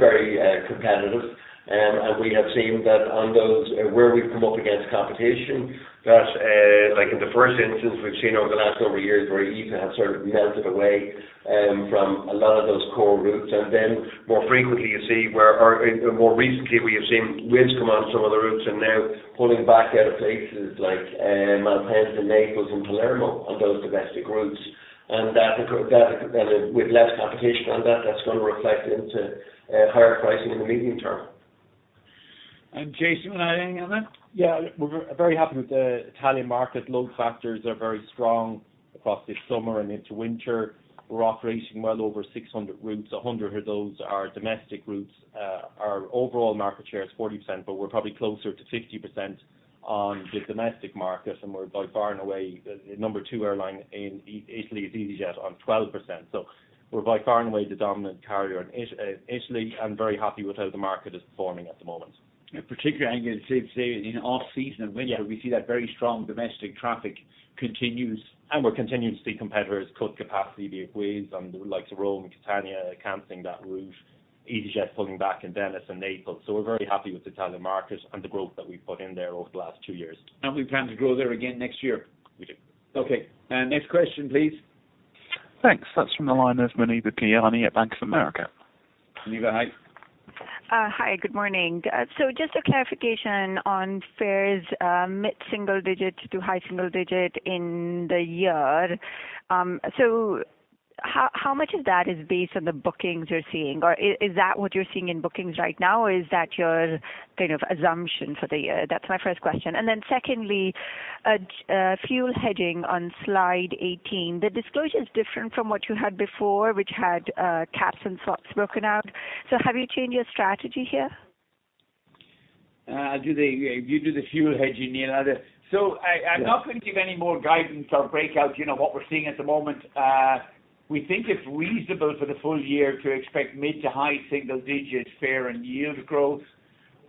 very competitive. We have seen that on those where we've come up against competition that, like in the first instance we've seen over the last couple of years where easyJet have sort of melted away from a lot of those core routes. More recently, we have seen Wizz come on some of the routes and now pulling back out of places like Malpensa, Naples and Palermo on those domestic routes. That then with less competition on that's gonna reflect into higher pricing in the medium term. Jason, wanna add anything on that? Yeah. We're very happy with the Italian market. Load factors are very strong across this summer and into winter. We're operating well over 600 routes. 100 of those are domestic routes. Our overall market share is 40%, but we're probably closer to 60% on the domestic market. We're by far and away the number one airline in Italy. The number two airline in Italy is easyJet on 12%. We're by far and away the dominant carrier in Italy. I'm very happy with how the market is performing at the moment. In particular, I think it's safe to say in off season and winter. Yeah We see that very strong domestic traffic continues. We're continuing to see competitors cut capacity be it Wizz on the likes of Rome and Catania, canceling that route, easyJet pulling back in Venice and Naples. We're very happy with the Italian market and the growth that we've put in there over the last two years. We plan to grow there again next year. We do. Okay. Next question, please. Thanks. That's from the line of Muneeba Kayani at Bank of America. Muneeba, hi. Hi. Good morning. Just a clarification on fares, mid-single-digit to high-single-digit in the year. How much of that is based on the bookings you're seeing? Or is that what you're seeing in bookings right now, or is that your kind of assumption for the year? That's my first question. Secondly, fuel hedging on slide 18. The disclosure is different from what you had before, which had caps and slots broken out. Have you changed your strategy here? You do the fuel hedging, Neil. I'll do. Yeah. I'm not going to give any more guidance or breakout, you know, what we're seeing at the moment. We think it's reasonable for the full year to expect mid- to high-single-digit fare and yield growth.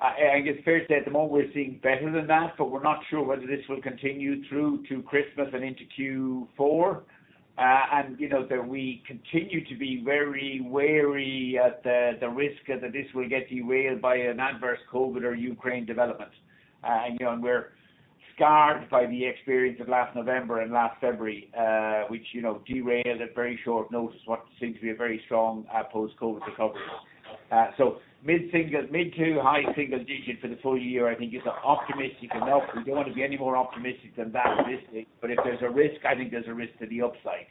It's fair to say at the moment we're seeing better than that, but we're not sure whether this will continue through to Christmas and into Q4. You know that we continue to be very wary of the risk that this will get derailed by an adverse COVID or Ukraine development. You know, we're scarred by the experience of last November and last February, which derailed at very short notice what seemed to be a very strong post-COVID recovery. Mid- to high-single-digit for the full year, I think, is optimistic enough. We don't want to be any more optimistic than that realistically. If there's a risk, I think there's a risk to the upside.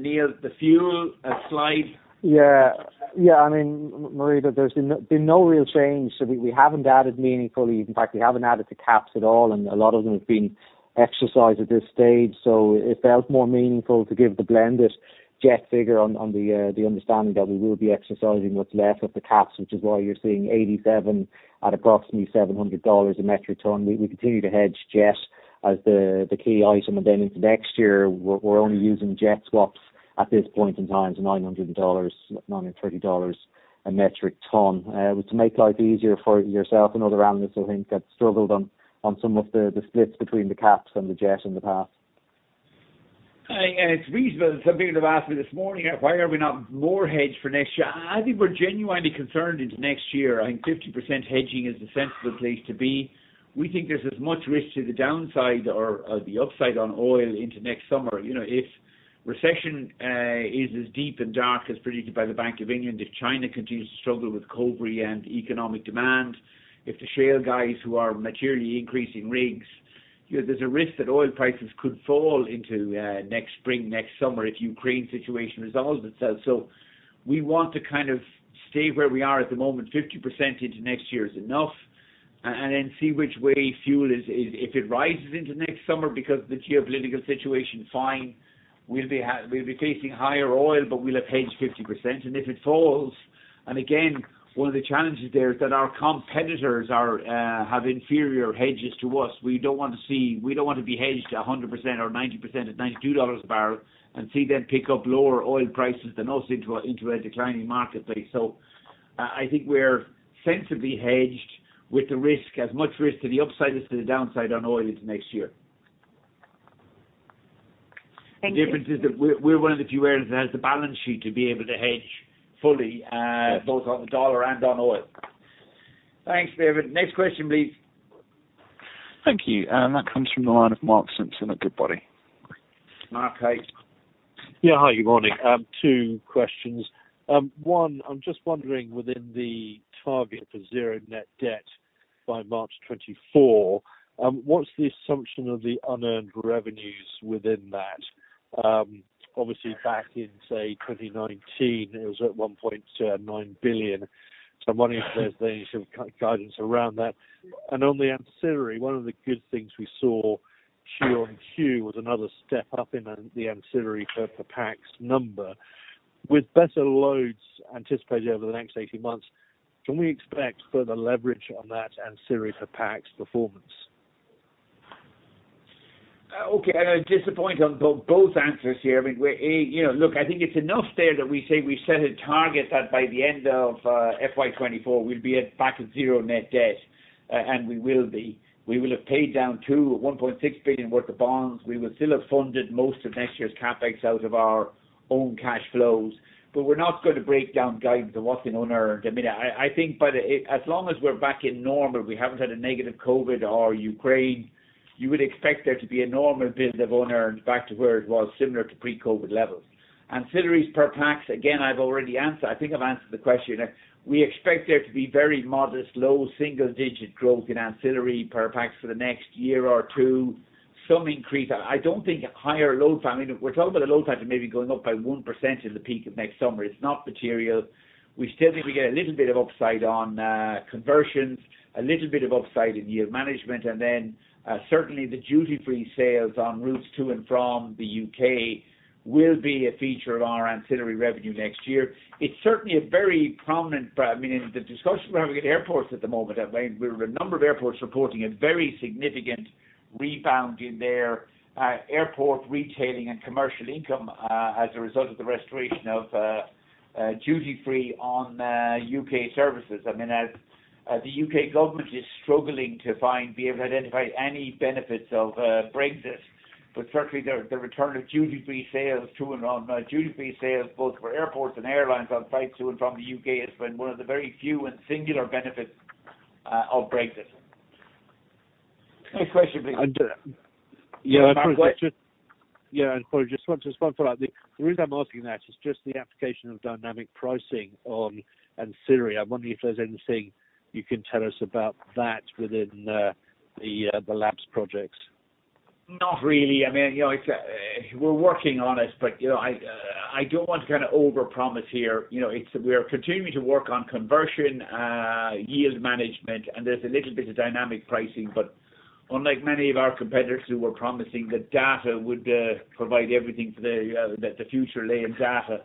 Neil, the fuel slide. Yeah. Yeah. I mean, Muneeba, there's been no real change. We haven't added meaningfully, in fact, we haven't added to caps at all, and a lot of them have been exercised at this stage. It felt more meaningful to give the blended jet figure on the understanding that we will be exercising what's left of the caps, which is why you're seeing 87 at approximately $700 a metric ton. We continue to hedge jet as the key item. Then into next year, we're only using jet swaps at this point in time, so $993 a metric ton. To make life easier for yourself and other analysts who've struggled on some of the splits between the caps and the jet in the past. It's reasonable. Some people have asked me this morning, why are we not more hedged for next year? I think we're genuinely concerned into next year. I think 50% hedging is the sensible place to be. We think there's as much risk to the downside or the upside on oil into next summer. You know, if recession is as deep and dark as predicted by the Bank of England, if China continues to struggle with COVID and economic demand, if the shale guys who are materially increasing rigs, you know, there's a risk that oil prices could fall into next spring, next summer if Ukraine situation resolves itself. We want to kind of stay where we are at the moment. 50% into next year is enough, and then see which way fuel is. If it rises into next summer because of the geopolitical situation, fine. We'll be facing higher oil, but we'll have hedged 50%. If it falls, and again, one of the challenges there is that our competitors are have inferior hedges to us. We don't want to be hedged 100% or 90% at $92 a barrel and see them pick up lower oil prices than us into a declining market place. I think we're sensibly hedged with the risk, as much risk to the upside as to the downside on oil into next year. Thank you. The difference is that we're one of the few airlines that has the balance sheet to be able to hedge fully, both on the dollar and on oil. Thanks, David. Next question, please. Thank you. That comes from the line of Mark Simpson at Goodbody. Mark, hi. Yeah. Hi, good morning. Two questions. One, I'm just wondering within the target for zero net debt by March 2024, what's the assumption of the unearned revenues within that? Obviously back in, say, 2019, it was at one point 9 billion. I'm wondering if there's any sort of guidance around that. On the ancillary, one of the good things we saw Q-on-Q was another step up in the ancillary per pax number. With better loads anticipated over the next 18 months, can we expect further leverage on that ancillary per pax performance? Okay. I'm disappointed on both answers here. I mean, you know, look, I think it's enough there that we say we set a target that by the end of FY 2024, we'll be back at zero net debt, and we will be. We will have paid down 1.6 billion worth of bonds. We will still have funded most of next year's CapEx out of our own cash flows. We're not gonna break down guidance on what's been unearned. I mean, I think by the, as long as we're back in normal, we haven't had a negative COVID or Ukraine, you would expect there to be a normal build of unearned back to where it was similar to pre-COVID levels. Ancillaries per pax, again, I've already answered. I think I've answered the question. We expect there to be very modest, low single-digit growth in ancillary per pax for the next year or two. Some increase. I don't think higher load factor. I mean, if we're talking about a load factor maybe going up by 1% in the peak of next summer, it's not material. We still think we get a little bit of upside on conversions, a little bit of upside in yield management. Certainly the duty-free sales on routes to and from the U.K. will be a feature of our ancillary revenue next year. It's certainly a very prominent, I mean, in the discussion we're having at airports at the moment, a number of airports are reporting a very significant rebound in their airport retailing and commercial income, as a result of the restoration of duty-free on U.K. services. I mean, as the U.K. government is struggling to find, be able to identify any benefits of Brexit. Certainly the return of duty-free sales to and on duty-free sales both for airports and airlines on flights to and from the U.K. has been one of the very few and singular benefits of Brexit. Next question, please. Yeah. Mark, hi. Yeah, probably just want to just follow up. The reason I'm asking that is just the application of dynamic pricing on ancillary. I'm wondering if there's anything you can tell us about that within the labs projects. Not really. I mean, you know, it's we're working on it, but, you know, I don't want to kind of overpromise here. You know, it's we're continuing to work on conversion, yield management, and there's a little bit of dynamic pricing. But unlike many of our competitors who were promising that data would provide everything, that the future lay in data,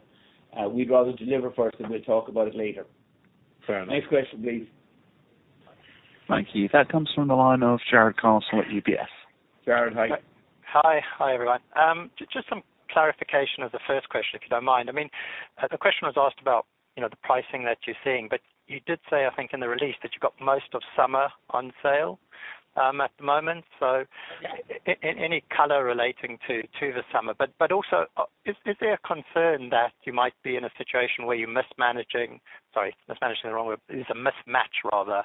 we'd rather deliver first, and we'll talk about it later. Fair enough. Next question, please. Thank you. That comes from the line of Jarrod Castle at UBS. Jarrod, hi. Hi. Hi, everyone. Just some clarification of the first question, if you don't mind. I mean, the question was asked about, you know, the pricing that you're seeing, but you did say, I think in the release that you got most of summer on sale, at the moment. Any color relating to the summer. But also, is there a concern that you might be in a situation where it's a mismatch rather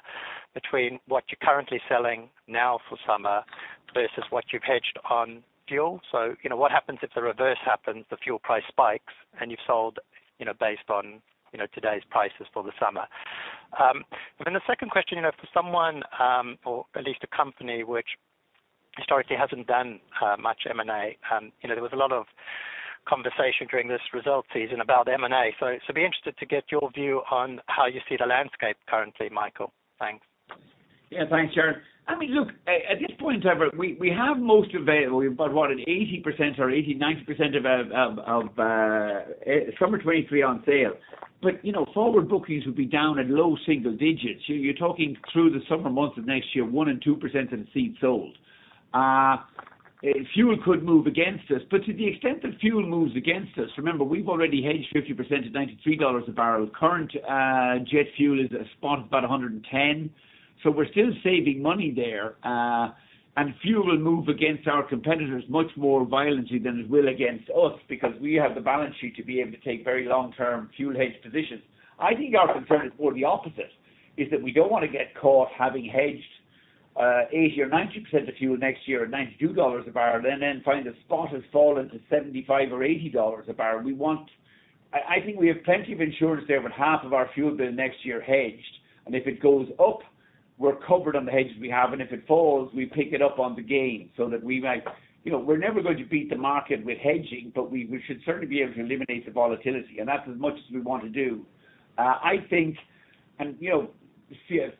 between what you're currently selling now for summer versus what you've hedged on fuel? You know, what happens if the reverse happens, the fuel price spikes and you've sold, you know, based on, you know, today's prices for the summer? The second question, you know, for someone or at least a company which historically hasn't done much M&A, you know, there was a lot of conversation during this results season about M&A. So be interested to get your view on how you see the landscape currently, Michael. Thanks. Yeah. Thanks, Jarrod. I mean, look, at this point, however, we have most available. We've got what, at 80% or 80%-90% of summer 2023 on sale. You know, forward bookings would be down at low single digits. You're talking through the summer months of next year, 1%-2% of seats sold. Fuel could move against us, but to the extent that fuel moves against us, remember, we've already hedged 50% to $93 a barrel. Current jet fuel spot is about $110. So we're still saving money there, and fuel will move against our competitors much more violently than it will against us because we have the balance sheet to be able to take very long-term fuel hedge positions. I think our concern is more the opposite, is that we don't wanna get caught having hedged 80% or 90% of fuel next year at $92 a barrel and then find the spot has fallen to $75 or $80 a barrel. I think we have plenty of insurance there with half of our fuel bill next year hedged, and if it goes up, we're covered on the hedges we have, and if it falls, we pick it up on the gain so that we might you know, we're never going to beat the market with hedging, but we should certainly be able to eliminate the volatility, and that's as much as we want to do. I think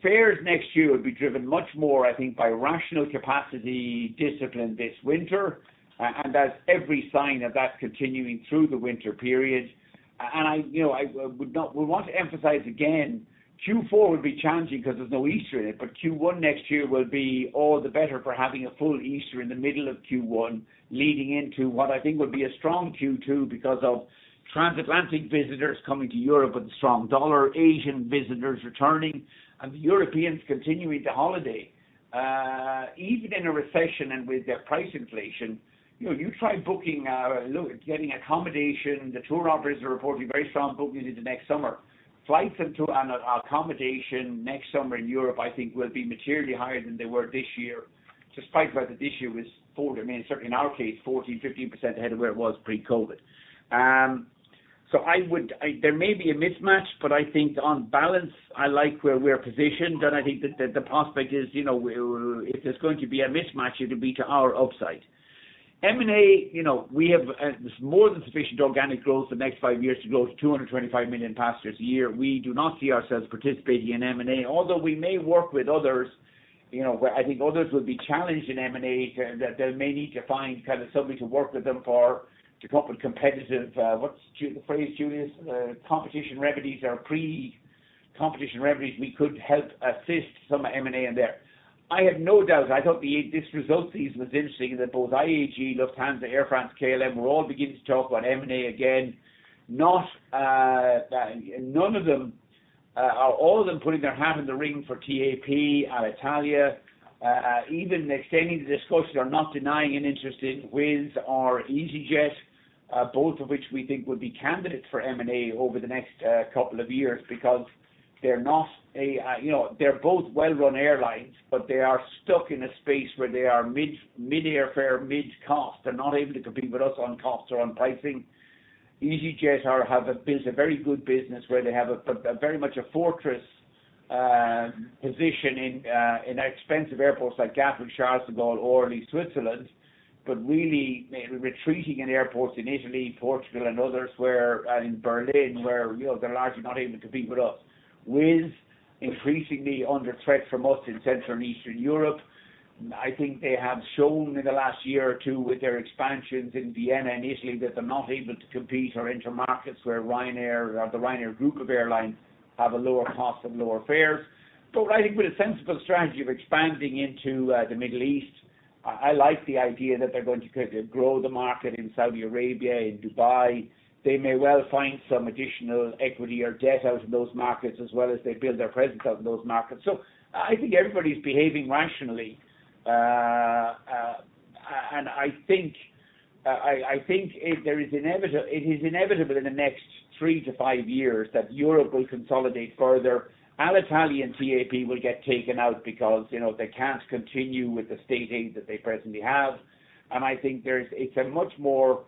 fares next year will be driven much more, I think, by rational capacity discipline this winter, and there's every sign that that's continuing through the winter period. We want to emphasize again, Q4 will be challenging because there's no Easter in it. Q1 next year will be all the better for having a full Easter in the middle of Q1 leading into what I think will be a strong Q2 because of transatlantic visitors coming to Europe with a strong dollar, Asian visitors returning, and Europeans continuing to holiday. Even in a recession and with their price inflation, you know, you try booking, look, getting accommodation. The tour operators are reporting very strong booking into next summer. Flights into and accommodation next summer in Europe I think will be materially higher than they were this year, despite whether this year was forward. I mean, certainly in our case, 14%-15% ahead of where it was pre-COVID. There may be a mismatch, but I think on balance, I like where we're positioned, and I think that the prospect is, you know, if there's going to be a mismatch, it'll be to our upside. M&A, you know, we have more than sufficient organic growth the next five years to grow to 225 million passengers a year. We do not see ourselves participating in M&A, although we may work with others, you know, where I think others will be challenged in M&A, that they may need to find kind of somebody to work with them for, to cope with competitive, what's the phrase, Juliusz? Competition remedies or pre-competition remedies. We could help assist some M&A in there. I have no doubt. I thought this results season was interesting, that both IAG, Lufthansa, Air France, KLM were all beginning to talk about M&A again. Not none of them or all of them putting their hat in the ring for TAP, Alitalia, even extending the discussion or not denying an interest in Wizz or easyJet, both of which we think would be candidates for M&A over the next couple of years because they're not a you know. They're both well-run airlines, but they are stuck in a space where they are mid-airfare, mid cost. They're not able to compete with us on cost or on pricing. easyJet have built a very good business where they have a very much a fortress position in expensive airports like Gatwick, Charles de Gaulle, or in Switzerland, but really retreating in airports in Italy, Portugal, and others and in Berlin where, you know, they're largely not able to compete with us. Wizz Air increasingly under threat from us in Central and Eastern Europe. I think they have shown in the last year or two with their expansions in Vienna and Italy that they're not able to compete or enter markets where Ryanair or the Ryanair group of airlines have a lower cost and lower fares. I think with a sensible strategy of expanding into the Middle East, I like the idea that they're going to grow the market in Saudi Arabia, in Dubai. They may well find some additional equity or debt out of those markets as well as they build their presence out in those markets. I think everybody's behaving rationally. I think it is inevitable in the next three-five years that Europe will consolidate further. Alitalia and TAP will get taken out because, you know, they can't continue with the state aid that they presently have. I think there's it's a much more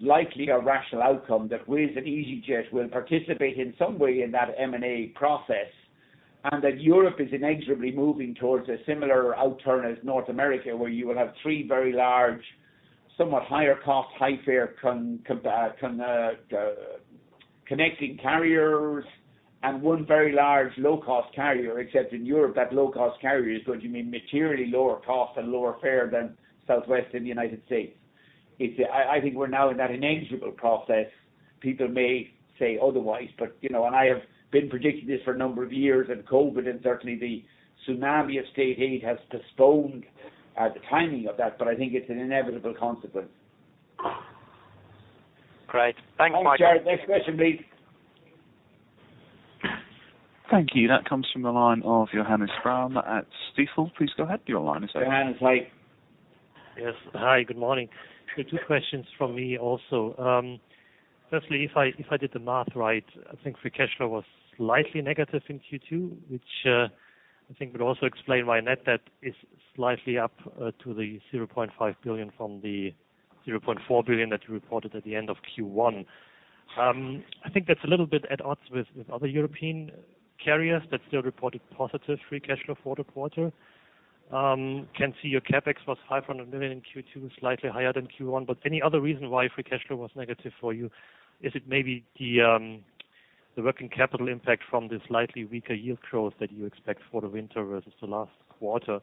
likelier rational outcome that Wizz and easyJet will participate in some way in that M&A process, and that Europe is inexorably moving towards a similar outturn as North America, where you will have three very large, somewhat higher cost, high fare connecting carriers and one very large low-cost carrier. Except in Europe, that low-cost carrier is going to mean materially lower cost and lower fare than Southwest in the United States. It's I think we're now in that inexorable process. People may say otherwise, but you know and I have been predicting this for a number of years, and COVID and certainly the tsunami of state aid has postponed the timing of that, but I think it's an inevitable consequence. Great. Thanks, Michael. Thanks, Jarrod. Next question, please. Thank you. That comes from the line of Johannes Braun at Stifel. Please go ahead. Your line is open. Johannes, hi. Yes. Hi, good morning. Two questions from me also. Firstly, if I did the math right, I think free cash flow was slightly negative in Q2, which I think it would also explain why net debt is slightly up to 0.5 billion from the 0.4 billion that you reported at the end of Q1. I think that's a little bit at odds with other European carriers that still reported positive free cash flow for the quarter. I can see your CapEx was 500 million in Q2, slightly higher than Q1, but any other reason why free cash flow was negative for you? Is it maybe the working capital impact from the slightly weaker yield growth that you expect for the winter versus the last quarter?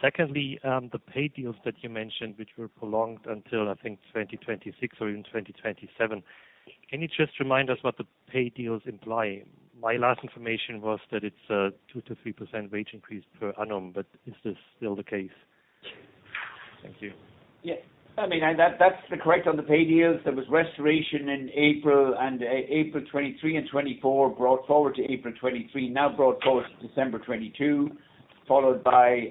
Secondly, the pay deals that you mentioned, which were prolonged until I think 2026 or even 2027. Can you just remind us what the pay deals imply? My last information was that it's 2%-3% wage increase per annum, but is this still the case? Thank you. Yeah. I mean, that's the correct on the pay deals. There was restoration in April and April 2023 and 2024, brought forward to April 2023, now brought forward to December 2022, followed by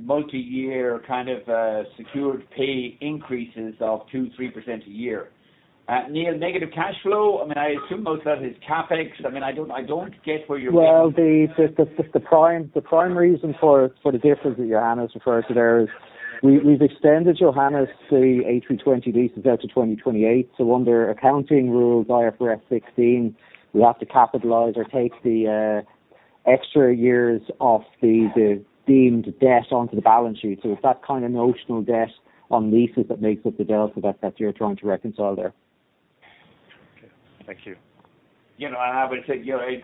multiyear kind of secured pay increases of 2%-3% a year. Neil, negative cash flow, I mean, I assume most of that is CapEx. I mean, I don't get where you're- Well, the prime reason for the difference that Johannes referred to there is we've extended Johannes' A320 leases out to 2028. Under accounting rules, IFRS 16, we have to capitalize or take the extra years of the deemed debt onto the balance sheet. It's that kind of notional debt on leases that makes up the delta that you're trying to reconcile there. Okay. Thank you. You know, I would say, you know, it,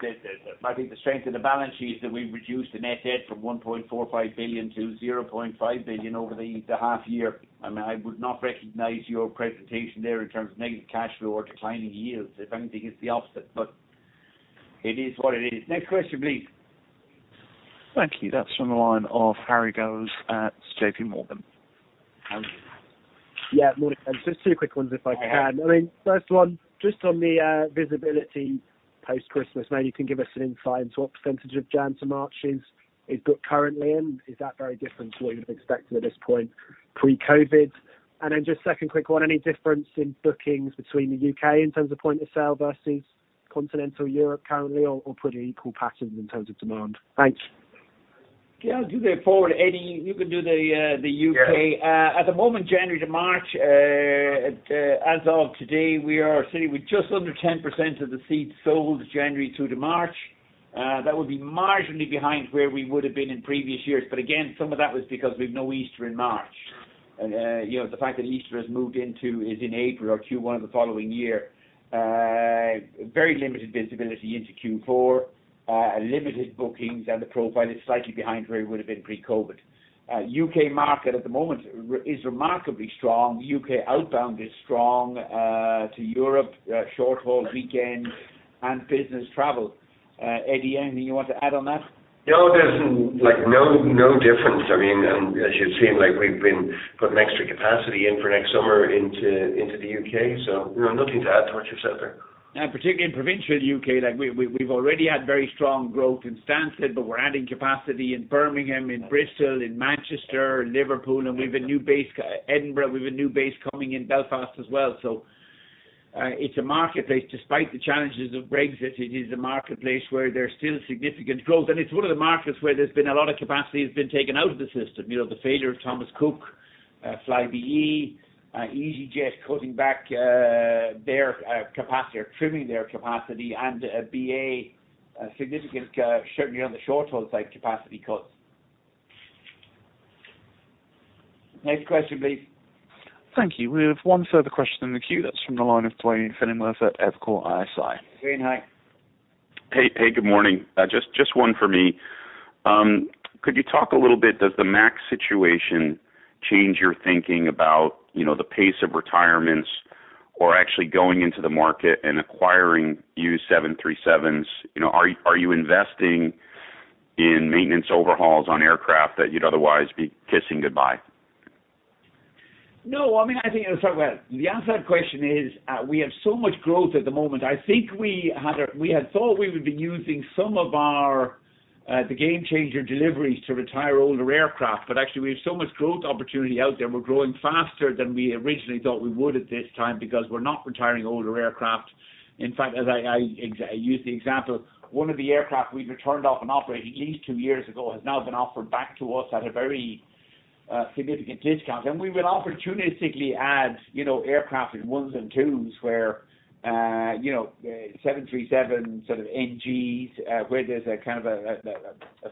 I think the strength of the balance sheet is that we've reduced the net debt from 1.45 billion to 0.5 billion over the half year. I mean, I would not recognize your presentation there in terms of negative cash flow or declining yields. If anything, it's the opposite, but it is what it is. Next question, please. Thank you. That's from the line of Harry Gowers at JPMorgan. Harry. Yeah. Morning. Just two quick ones if I can. Yeah. I mean, first one, just on the visibility post-Christmas. Maybe you can give us an insight into what percentage of January to March is booked currently and is that very different to what you'd have expected at this point pre-COVID? Just second quick one. Any difference in bookings between the U.K. in terms of point of sale versus continental Europe currently or pretty equal patterns in terms of demand? Thanks. Yeah, I'll do the forward. Eddie, you can do the U.K.. Yeah. At the moment, January to March, as of today, we are sitting with just under 10% of the seats sold January through to March. That would be marginally behind where we would have been in previous years. Again, some of that was because we've no Easter in March. You know, the fact that Easter has moved, it's in April or Q1 of the following year. Very limited visibility into Q4, limited bookings and the profile is slightly behind where it would've been pre-COVID. U.K. market at the moment is remarkably strong. U.K. outbound is strong, to Europe, short-haul weekends and business travel. Eddie, anything you want to add on that? No, there's like no difference. I mean, as you've seen, like we've been putting extra capacity in for next summer into the U.K.. You know, nothing to add to what you've said there. Particularly in provincial U.K., like we've already had very strong growth in Stansted, but we're adding capacity in Birmingham, in Bristol, in Manchester, Liverpool. We've a new base, Edinburgh. We've a new base coming in Belfast as well. It's a marketplace. Despite the challenges of Brexit, it is a marketplace where there's still significant growth. It's one of the markets where there's been a lot of capacity that's been taken out of the system. You know, the failure of Thomas Cook, Flybe, easyJet cutting back their capacity or trimming their capacity and BA, a significant certainly on the short-haul side, capacity cuts. Next question, please. Thank you. We have one further question in the queue. That's from the line of Duane Pfennigwerth at Evercore ISI. Duane, hi. Hey. Hey, good morning. Just one for me. Could you talk a little bit? Does the MAX situation change your thinking about, you know, the pace of retirements or actually going into the market and acquiring used 737s? You know, are you investing in maintenance overhauls on aircraft that you'd otherwise be kissing goodbye? No. I mean, I think, well, the answer to that question is, we have so much growth at the moment. I think we had a. We had thought we would be using some of our, the Gamechanger deliveries to retire older aircraft, but actually we have so much growth opportunity out there. We're growing faster than we originally thought we would at this time because we're not retiring older aircraft. In fact, as I use the example, one of the aircraft we returned off an operating lease two years ago has now been offered back to us at a very significant discount. We will opportunistically add, you know, aircraft in ones and twos where, you know, 737 sort of NGs, where there's a kind of a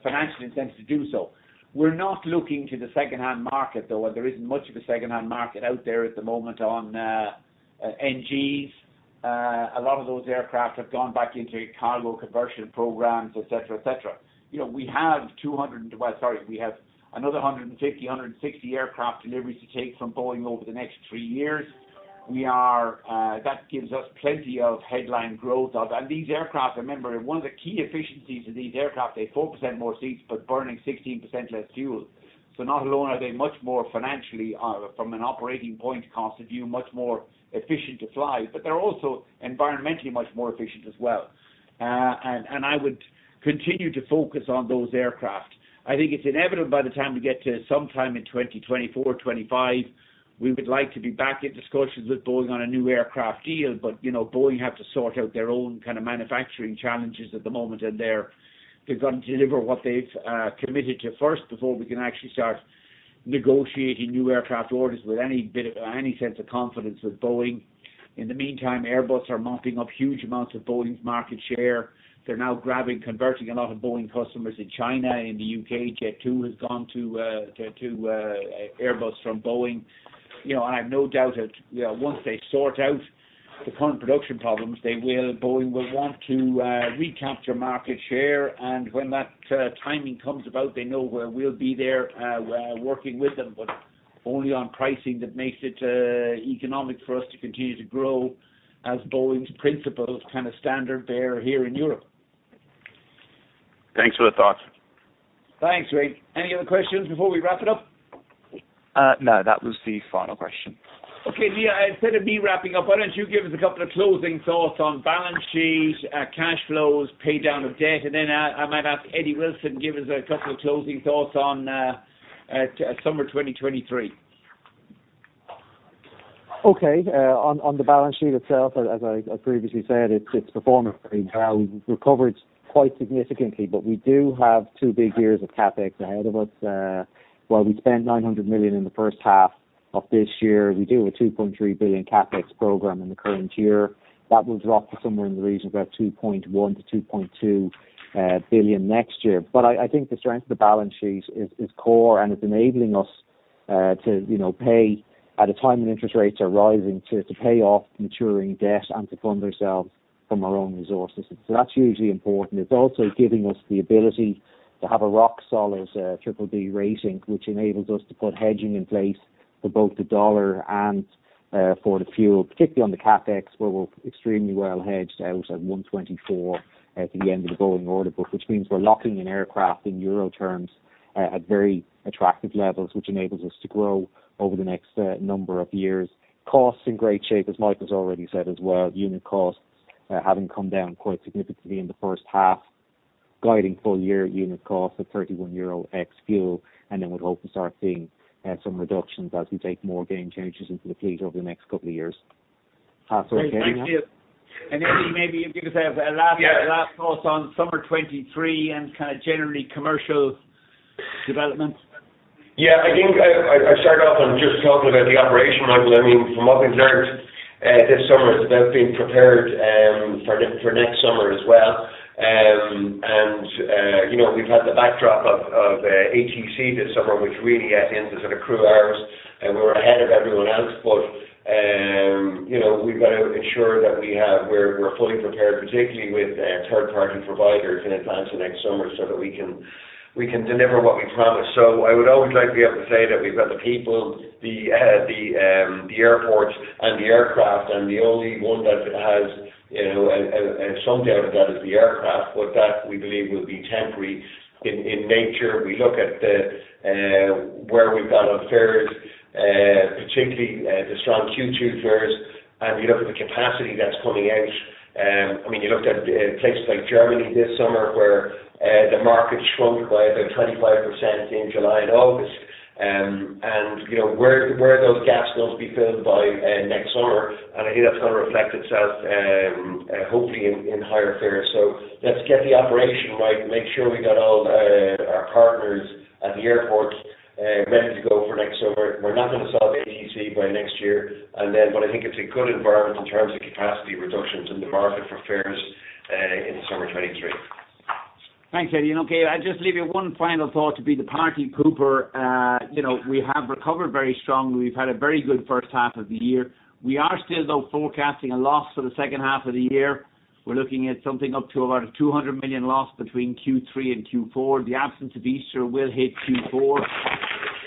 financial incentive to do so. We're not looking to the secondhand market, though. There isn't much of a secondhand market out there at the moment on NGs. A lot of those aircraft have gone back into cargo conversion programs, et cetera, et cetera. You know, we have another 150-160 aircraft deliveries to take from Boeing over the next three years. We are that gives us plenty of headline growth. These aircraft, remember, one of the key efficiencies of these aircraft, they have 4% more seats, but burning 16% less fuel. Not only are they much more financially from an operating point cost of view, much more efficient to fly, but they're also environmentally much more efficient as well. I would continue to focus on those aircraft. I think it's inevitable by the time we get to sometime in 2024, 2025, we would like to be back in discussions with Boeing on a new aircraft deal. You know, Boeing have to sort out their own kind of manufacturing challenges at the moment, and they've got to deliver what they've committed to first before we can actually start negotiating new aircraft orders with any sense of confidence with Boeing. In the meantime, Airbus are mopping up huge amounts of Boeing's market share. They're now grabbing, converting a lot of Boeing customers in China. In the U.K., Jet2 has gone to Airbus from Boeing. You know, I have no doubt that, you know, once they sort out the current production problems, Boeing will want to recapture market share. When that timing comes about, they know we'll be there working with them, but only on pricing that makes it economic for us to continue to grow as Boeing's principal kind of standard bearer here in Europe. Thanks for the thoughts. Thanks, Duane Pfennigwerth. Any other questions before we wrap it up? No, that was the final question. Okay. Neil, instead of me wrapping up, why don't you give us a couple of closing thoughts on balance sheets, cash flows, pay down of debt, and then I might ask Eddie Wilson give us a couple of closing thoughts on summer 2023. Okay. On the balance sheet itself, as I previously said, it's performing very well. We've recovered quite significantly, but we do have two big years of CapEx ahead of us. While we spent 900 million in the first half of this year, we do a 2.3 billion CapEx program in the current year. That will drop to somewhere in the region of about 2.1 billion-2.2 billion next year. I think the strength of the balance sheet is core, and it's enabling us, you know, to pay at a time when interest rates are rising, to pay off maturing debt and to fund ourselves from our own resources. That's hugely important. It's also giving us the ability to have a rock solid BBB rating, which enables us to put hedging in place for both the dollar and for the fuel, particularly on the CapEx, where we're extremely well hedged out at $1.24 to the end of the Boeing order book, which means we're locking in aircraft in euro terms at very attractive levels, which enables us to grow over the next number of years. Costs in great shape, as Michael's already said as well. Unit costs having come down quite significantly in the first half. Guiding full year unit cost of 31 euro ex fuel, and then we'd hope to start seeing some reductions as we take more Gamechangers into the fleet over the next couple of years. Pass over to Eddie now. Great. Thanks, Neil. Eddie, maybe you can give us a last. Yeah. Last thought on summer 2023 and kind of generally commercial development. Yeah. I think I started off on just talking about the operational level. I mean, from what we've learned, this summer is about being prepared for next summer as well. You know, we've had the backdrop of ATC this summer, which really ate into sort of crew hours, and we were ahead of everyone else. You know, we've got to ensure that we're fully prepared, particularly with third-party providers in advance of next summer so that we can deliver what we promised. I would always like to be able to say that we've got the people, the airports and the aircraft, and the only one that has, you know, a slowdown to that is the aircraft. That, we believe, will be temporary in nature. We look at where we've got on fares, particularly the strong Q2 fares. We look at the capacity that's coming out. I mean, you looked at places like Germany this summer where the market shrunk by about 25% in July and August. You know, those gaps will be filled by next summer. I think that's gonna reflect itself hopefully in higher fares. Let's get the operation right and make sure we got all our partners at the airport ready to go for next summer. We're not gonna solve ATC by next year. I think it's a good environment in terms of capacity reductions in the market for fares in summer 2023. Thanks, Eddie. Okay, I'll just leave you one final thought to be the party pooper. You know, we have recovered very strongly. We've had a very good first half of the year. We are still, though, forecasting a loss for the second half of the year. We're looking at something up to about a 200 million loss between Q3 and Q4. The absence of Easter will hit Q4.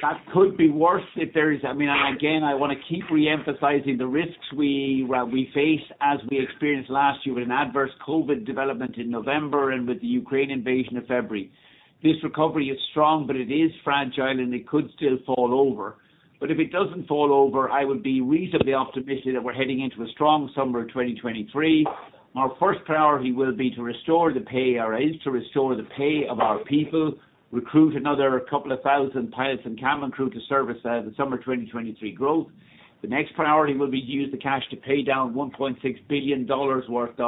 That could be worse if there is, I mean, and again, I wanna keep re-emphasizing the risks we face as we experienced last year with an adverse COVID development in November and with the Ukraine invasion of February. This recovery is strong, but it is fragile, and it could still fall over. If it doesn't fall over, I would be reasonably optimistic that we're heading into a strong summer of 2023. Our first priority will be to restore the pay arrays, to restore the pay of our people, recruit another 2,000 pilots and cabin crew to service the summer 2023 growth. The next priority will be to use the cash to pay down EUR 1.6 billion worth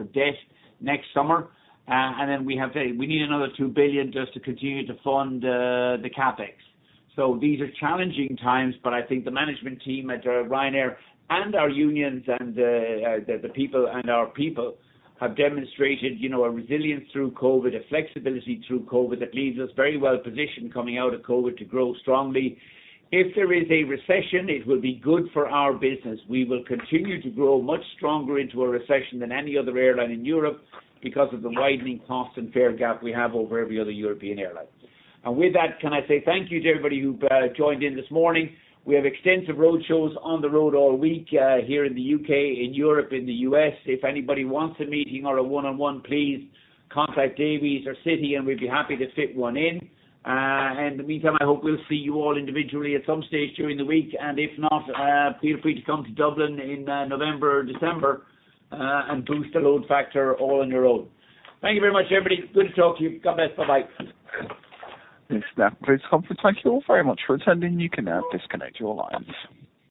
of debt next summer. We need another 2 billion just to continue to fund the CapEx. These are challenging times, but I think the management team at Ryanair and our unions and the people and our people have demonstrated, you know, a resilience through COVID, a flexibility through COVID that leaves us very well positioned coming out of COVID to grow strongly. If there is a recession, it will be good for our business. We will continue to grow much stronger into a recession than any other airline in Europe because of the widening cost and fare gap we have over every other European airline. With that, can I say thank you to everybody who joined in this morning. We have extensive roadshows on the road all week here in the U.K., in Europe, in the U.S.. If anybody wants a meeting or a one-on-one, please contact Davy or Citi, and we'd be happy to fit one in. In the meantime, I hope we'll see you all individually at some stage during the week. If not, feel free to come to Dublin in November or December and boost the load factor all on your own. Thank you very much, everybody. Good to talk to you. God bless. Bye-bye. This now concludes the conference. Thank you all very much for attending. You can now disconnect your lines.